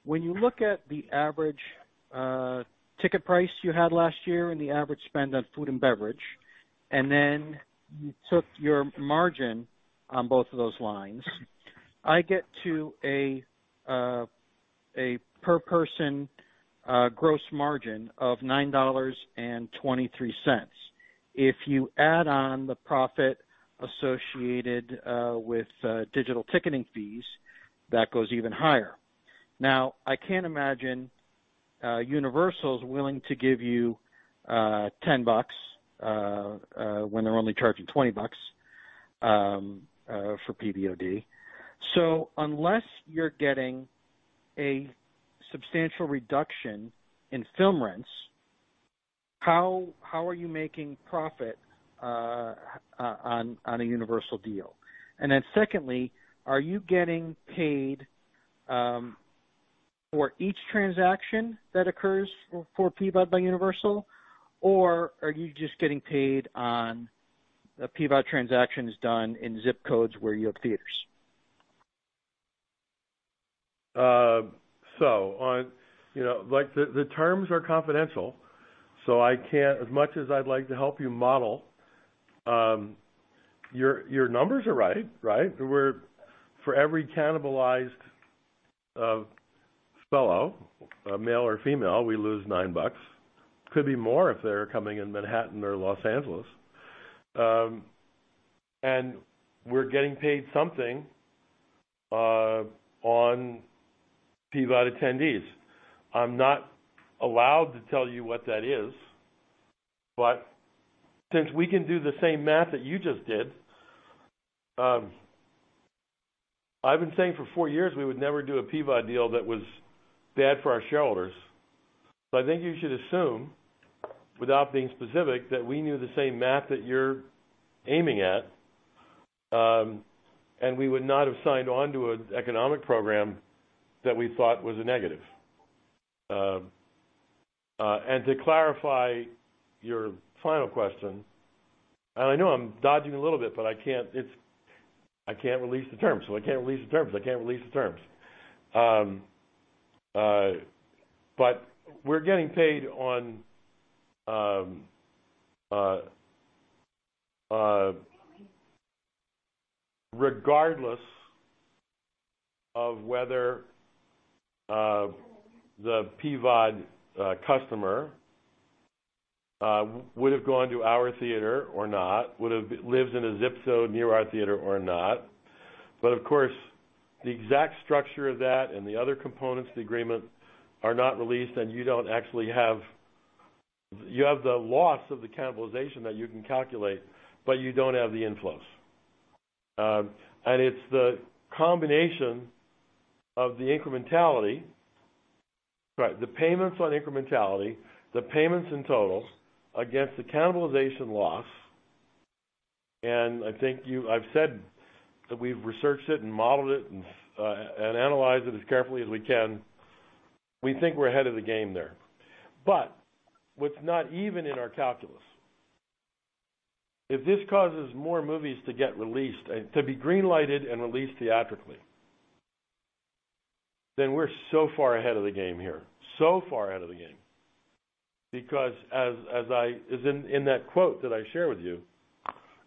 when you look at the average ticket price you had last year and the average spend on food and beverage, and then you took your margin on both of those lines, I get to a per person gross margin of $9.23. If you add on the profit associated with digital ticketing fees, that goes even higher. Now, I can't imagine Universal's willing to give you $10 when they're only charging $20 for PVOD. Unless you're getting a substantial reduction in film rents, how are you making profit on a Universal deal? Secondly, are you getting paid for each transaction that occurs for PVOD by Universal, or are you just getting paid on PVOD transactions done in zip codes where you have theaters? The terms are confidential, as much as I'd like to help you model, your numbers are right. For every cannibalized fellow, male or female, we lose $9. Could be more if they're coming in Manhattan or Los Angeles. We're getting paid something on PVOD attendees. I'm not allowed to tell you what that is. Since we can do the same math that you just did, I've been saying for four years we would never do a PVOD deal that was bad for our shareholders. I think you should assume, without being specific, that we knew the same math that you're aiming at. We would not have signed on to an economic program that we thought was a negative. To clarify your final question, I know I'm dodging a little bit. I can't release the terms. We're getting paid regardless of whether the PVOD customer would have gone to our theater or not, would have lived in a zip code near our theater or not. Of course, the exact structure of that and the other components of the agreement are not released, and you have the loss of the cannibalization that you can calculate, but you don't have the inflows. It's the combination of the incrementality. Right, the payments on incrementality, the payments in total against the cannibalization loss, and I think I've said that we've researched it and modeled it and analyzed it as carefully as we can. We think we're ahead of the game there. What's not even in our calculus, if this causes more movies to be green-lighted and released theatrically, then we're so far ahead of the game here, so far ahead of the game. As in that quote that I shared with you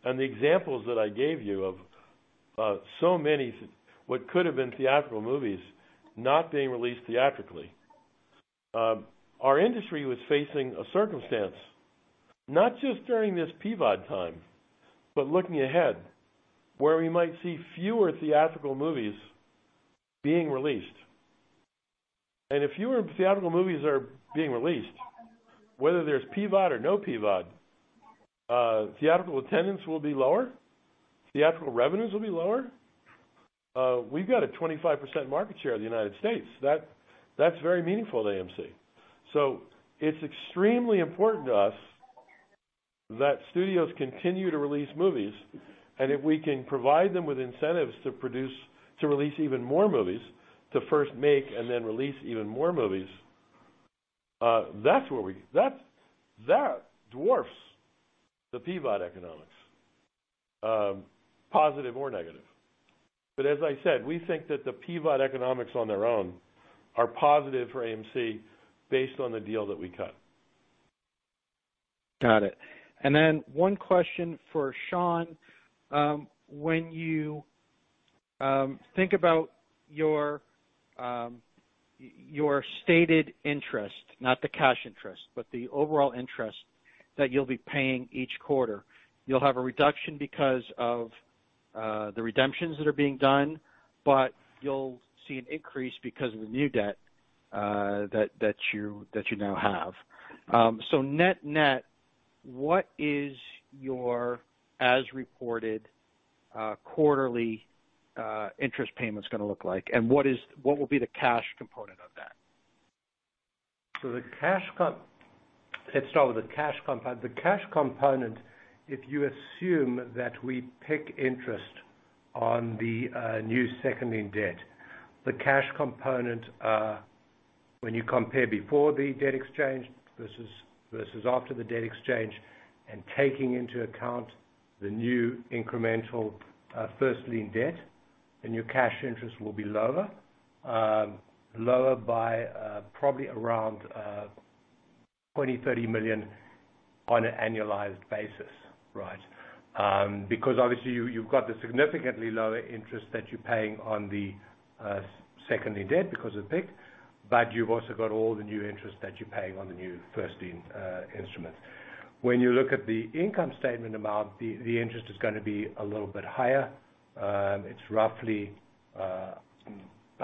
and the examples that I gave you of so many what could have been theatrical movies not being released theatrically. Our industry was facing a circumstance, not just during this PVOD time, but looking ahead, where we might see fewer theatrical movies being released. If fewer theatrical movies are being released, whether there's PVOD or no PVOD, theatrical attendance will be lower, theatrical revenues will be lower. We've got a 25% market share of the U.S. That's very meaningful to AMC. It's extremely important to us that studios continue to release movies, and if we can provide them with incentives to release even more movies, to first make and then release even more movies, that dwarfs the PVOD economics, positive or negative. As I said, we think that the PVOD economics on their own are positive for AMC based on the deal that we cut. Got it. One question for Sean. When you think about your stated interest, not the cash interest, but the overall interest that you'll be paying each quarter, you'll have a reduction because of the redemptions that are being done, but you'll see an increase because of the new debt that you now have. Net-net, what is your as-reported quarterly interest payments going to look like? What will be the cash component of that? Let's start with the cash component. The cash component, if you assume that we PIK interest on the new second lien debt, the cash component, when you compare before the debt exchange versus after the debt exchange and taking into account the new incremental first lien debt, the new cash interest will be lower. Lower by probably around $20 million, $30 million on an annualized basis, right? Because obviously, you've got the significantly lower interest that you're paying on the second lien debt because of the PIK, but you've also got all the new interest that you're paying on the new first lien instrument. When you look at the income statement amount, the interest is going to be a little bit higher. It's roughly about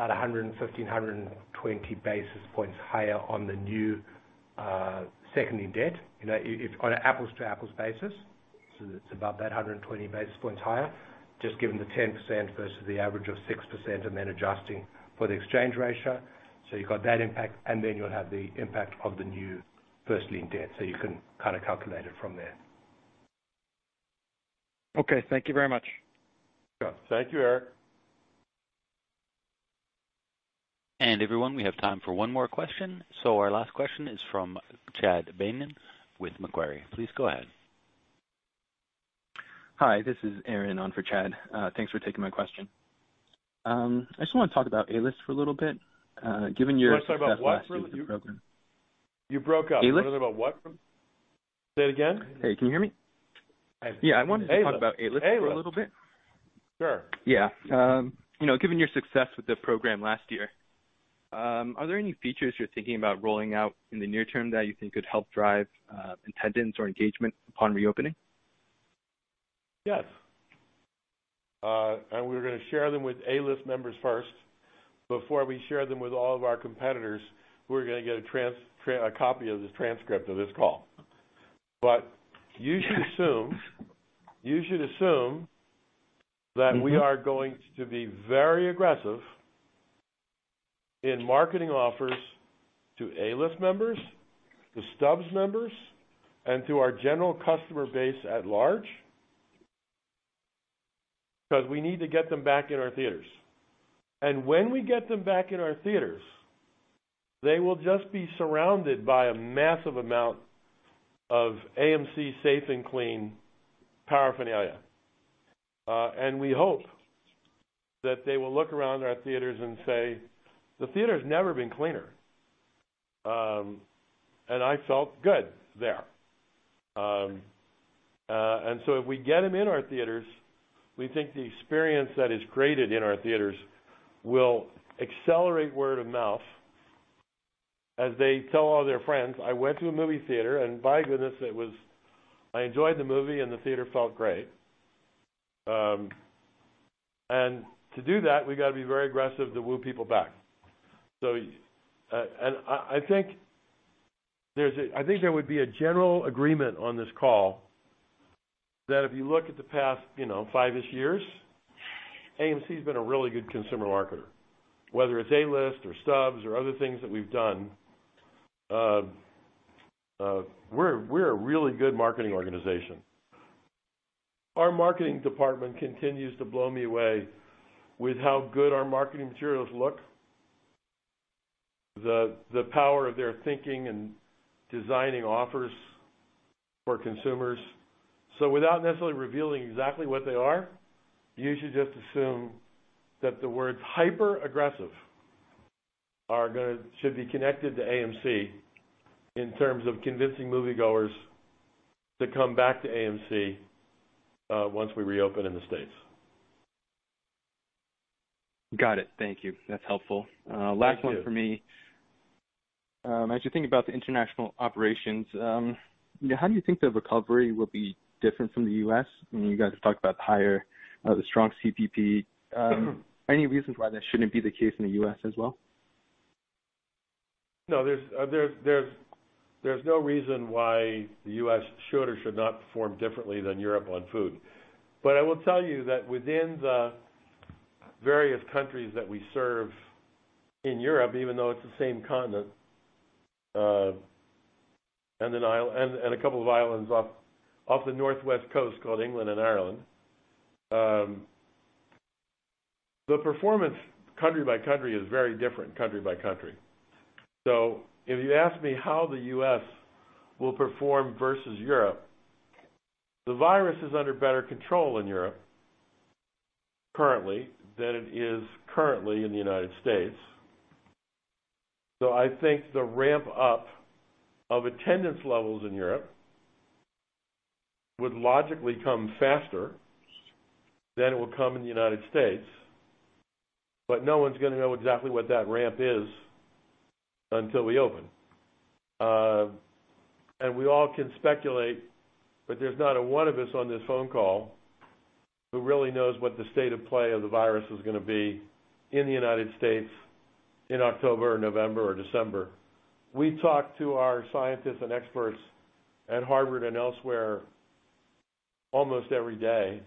115, 120 basis points higher on the new second lien debt. On an apples-to-apples basis, so that's about that 120 basis points higher, just given the 10% versus the average of 6% and then adjusting for the exchange ratio. You've got that impact, and then you'll have the impact of the new first lien debt. You can calculate it from there. Okay. Thank you very much. Sure. Thank you, Eric. Everyone, we have time for one more question. Our last question is from Chad Beynon with Macquarie. Please go ahead. Hi, this is Aaron on for Chad. Thanks for taking my question. I just want to talk about A-List for a little bit, given your success last year with the program- You want to talk about what? You broke up. A-List. You want to talk about what? Say it again. Hey, can you hear me? I think so. I wanted to talk about A-List for a little bit. Sure. Yeah. Given your success with the program last year, are there any features you're thinking about rolling out in the near term that you think could help drive attendance or engagement upon reopening? Yes. We're going to share them with A-List members first before we share them with all of our competitors, who are going to get a copy of the transcript of this call. You should assume that we are going to be very aggressive in marketing offers to A-List members, to Stubs members, and to our general customer base at large, because we need to get them back in our theaters. When we get them back in our theaters, they will just be surrounded by a massive amount of AMC Safe & Clean paraphernalia. We hope that they will look around our theaters and say, "The theater's never been cleaner. I felt good there." If we get them in our theaters, we think the experience that is created in our theaters will accelerate word of mouth as they tell all their friends, "I went to a movie theater, and by goodness, I enjoyed the movie and the theater felt great." To do that, we've got to be very aggressive to woo people back. I think there would be a general agreement on this call that if you look at the past five-ish years, AMC's been a really good consumer marketer, whether it's A-List or Stubs or other things that we've done. We're a really good marketing organization. Our marketing department continues to blow me away with how good our marketing materials look, the power of their thinking and designing offers for consumers. Without necessarily revealing exactly what they are, you should just assume that the words hyper aggressive should be connected to AMC in terms of convincing moviegoers to come back to AMC once we reopen in the States. Got it. Thank you. That's helpful. Thank you. Last one from me. As you think about the international operations, how do you think the recovery will be different from the U.S.? I mean, you guys have talked about the strong CPP. Any reasons why that shouldn't be the case in the U.S. as well? There's no reason why the U.S. should or should not perform differently than Europe on food. I will tell you that within the various countries that we serve in Europe, even though it's the same continent, and a couple of islands off the northwest coast called England and Ireland, the performance country by country is very different country by country. If you ask me how the U.S. will perform versus Europe, the virus is under better control in Europe currently than it is currently in the United States. I think the ramp-up of attendance levels in Europe would logically come faster than it will come in the United States. No one's going to know exactly what that ramp is until we open. We all can speculate, but there's not a one of us on this phone call who really knows what the state of play of the virus is going to be in the United States in October or November or December. We talk to our scientists and experts at Harvard and elsewhere almost every day.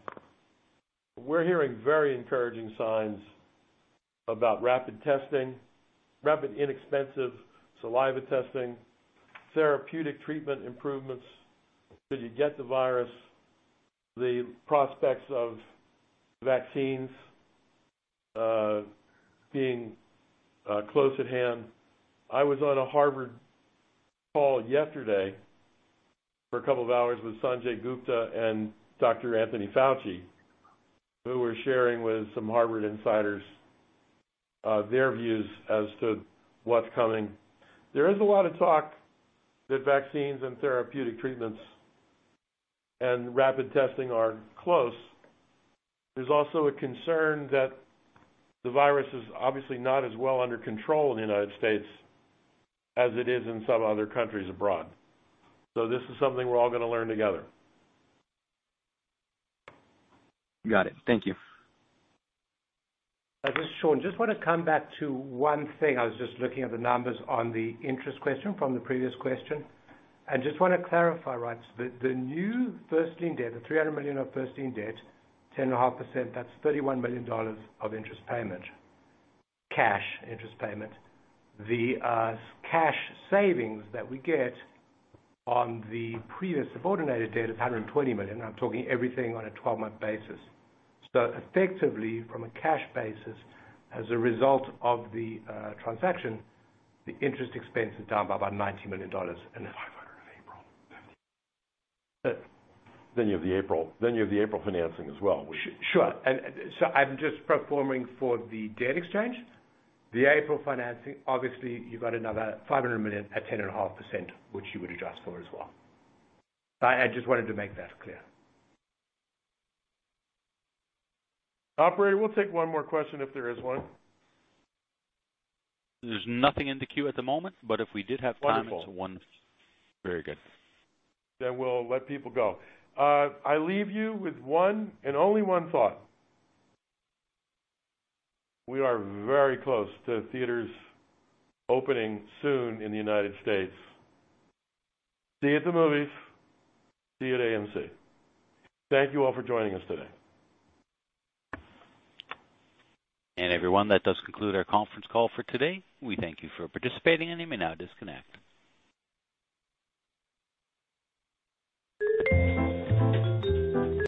We're hearing very encouraging signs about rapid testing, rapid inexpensive saliva testing, therapeutic treatment improvements should you get the virus, the prospects of vaccines being close at hand. I was on a Harvard call yesterday for a couple of hours with Sanjay Gupta and Dr. Anthony Fauci, who were sharing with some Harvard insiders their views as to what's coming. There is a lot of talk that vaccines and therapeutic treatments and rapid testing are close. There's also a concern that the virus is obviously not as well under control in the United States as it is in some other countries abroad. This is something we're all going to learn together. Got it. Thank you. This is Sean. Just want to come back to one thing. I was just looking at the numbers on the interest question from the previous question. Just want to clarify. The new first lien debt, the $300 million of first lien debt, 10.5%, that's $31 million of interest payment, cash interest payment. The cash savings that we get on the previous subordinated debt is $120 million. I'm talking everything on a 12-month basis. Effectively, from a cash basis, as a result of the transaction, the interest expense is down by about $90 million and then $500 million in April. You have the April financing as well. Sure. I'm just pro forming for the debt exchange. The April financing, obviously, you've got another $500 million at 10.5%, which you would adjust for as well. I just wanted to make that clear. Operator, we'll take one more question if there is one. There's nothing in the queue at the moment, but if we did have time to one. Wonderful. Very good. We'll let people go. I leave you with one and only one thought. We are very close to theaters opening soon in the U.S. See you at the movies, see you at AMC. Thank you all for joining us today. Everyone, that does conclude our conference call for today. We thank you for participating, and you may now disconnect.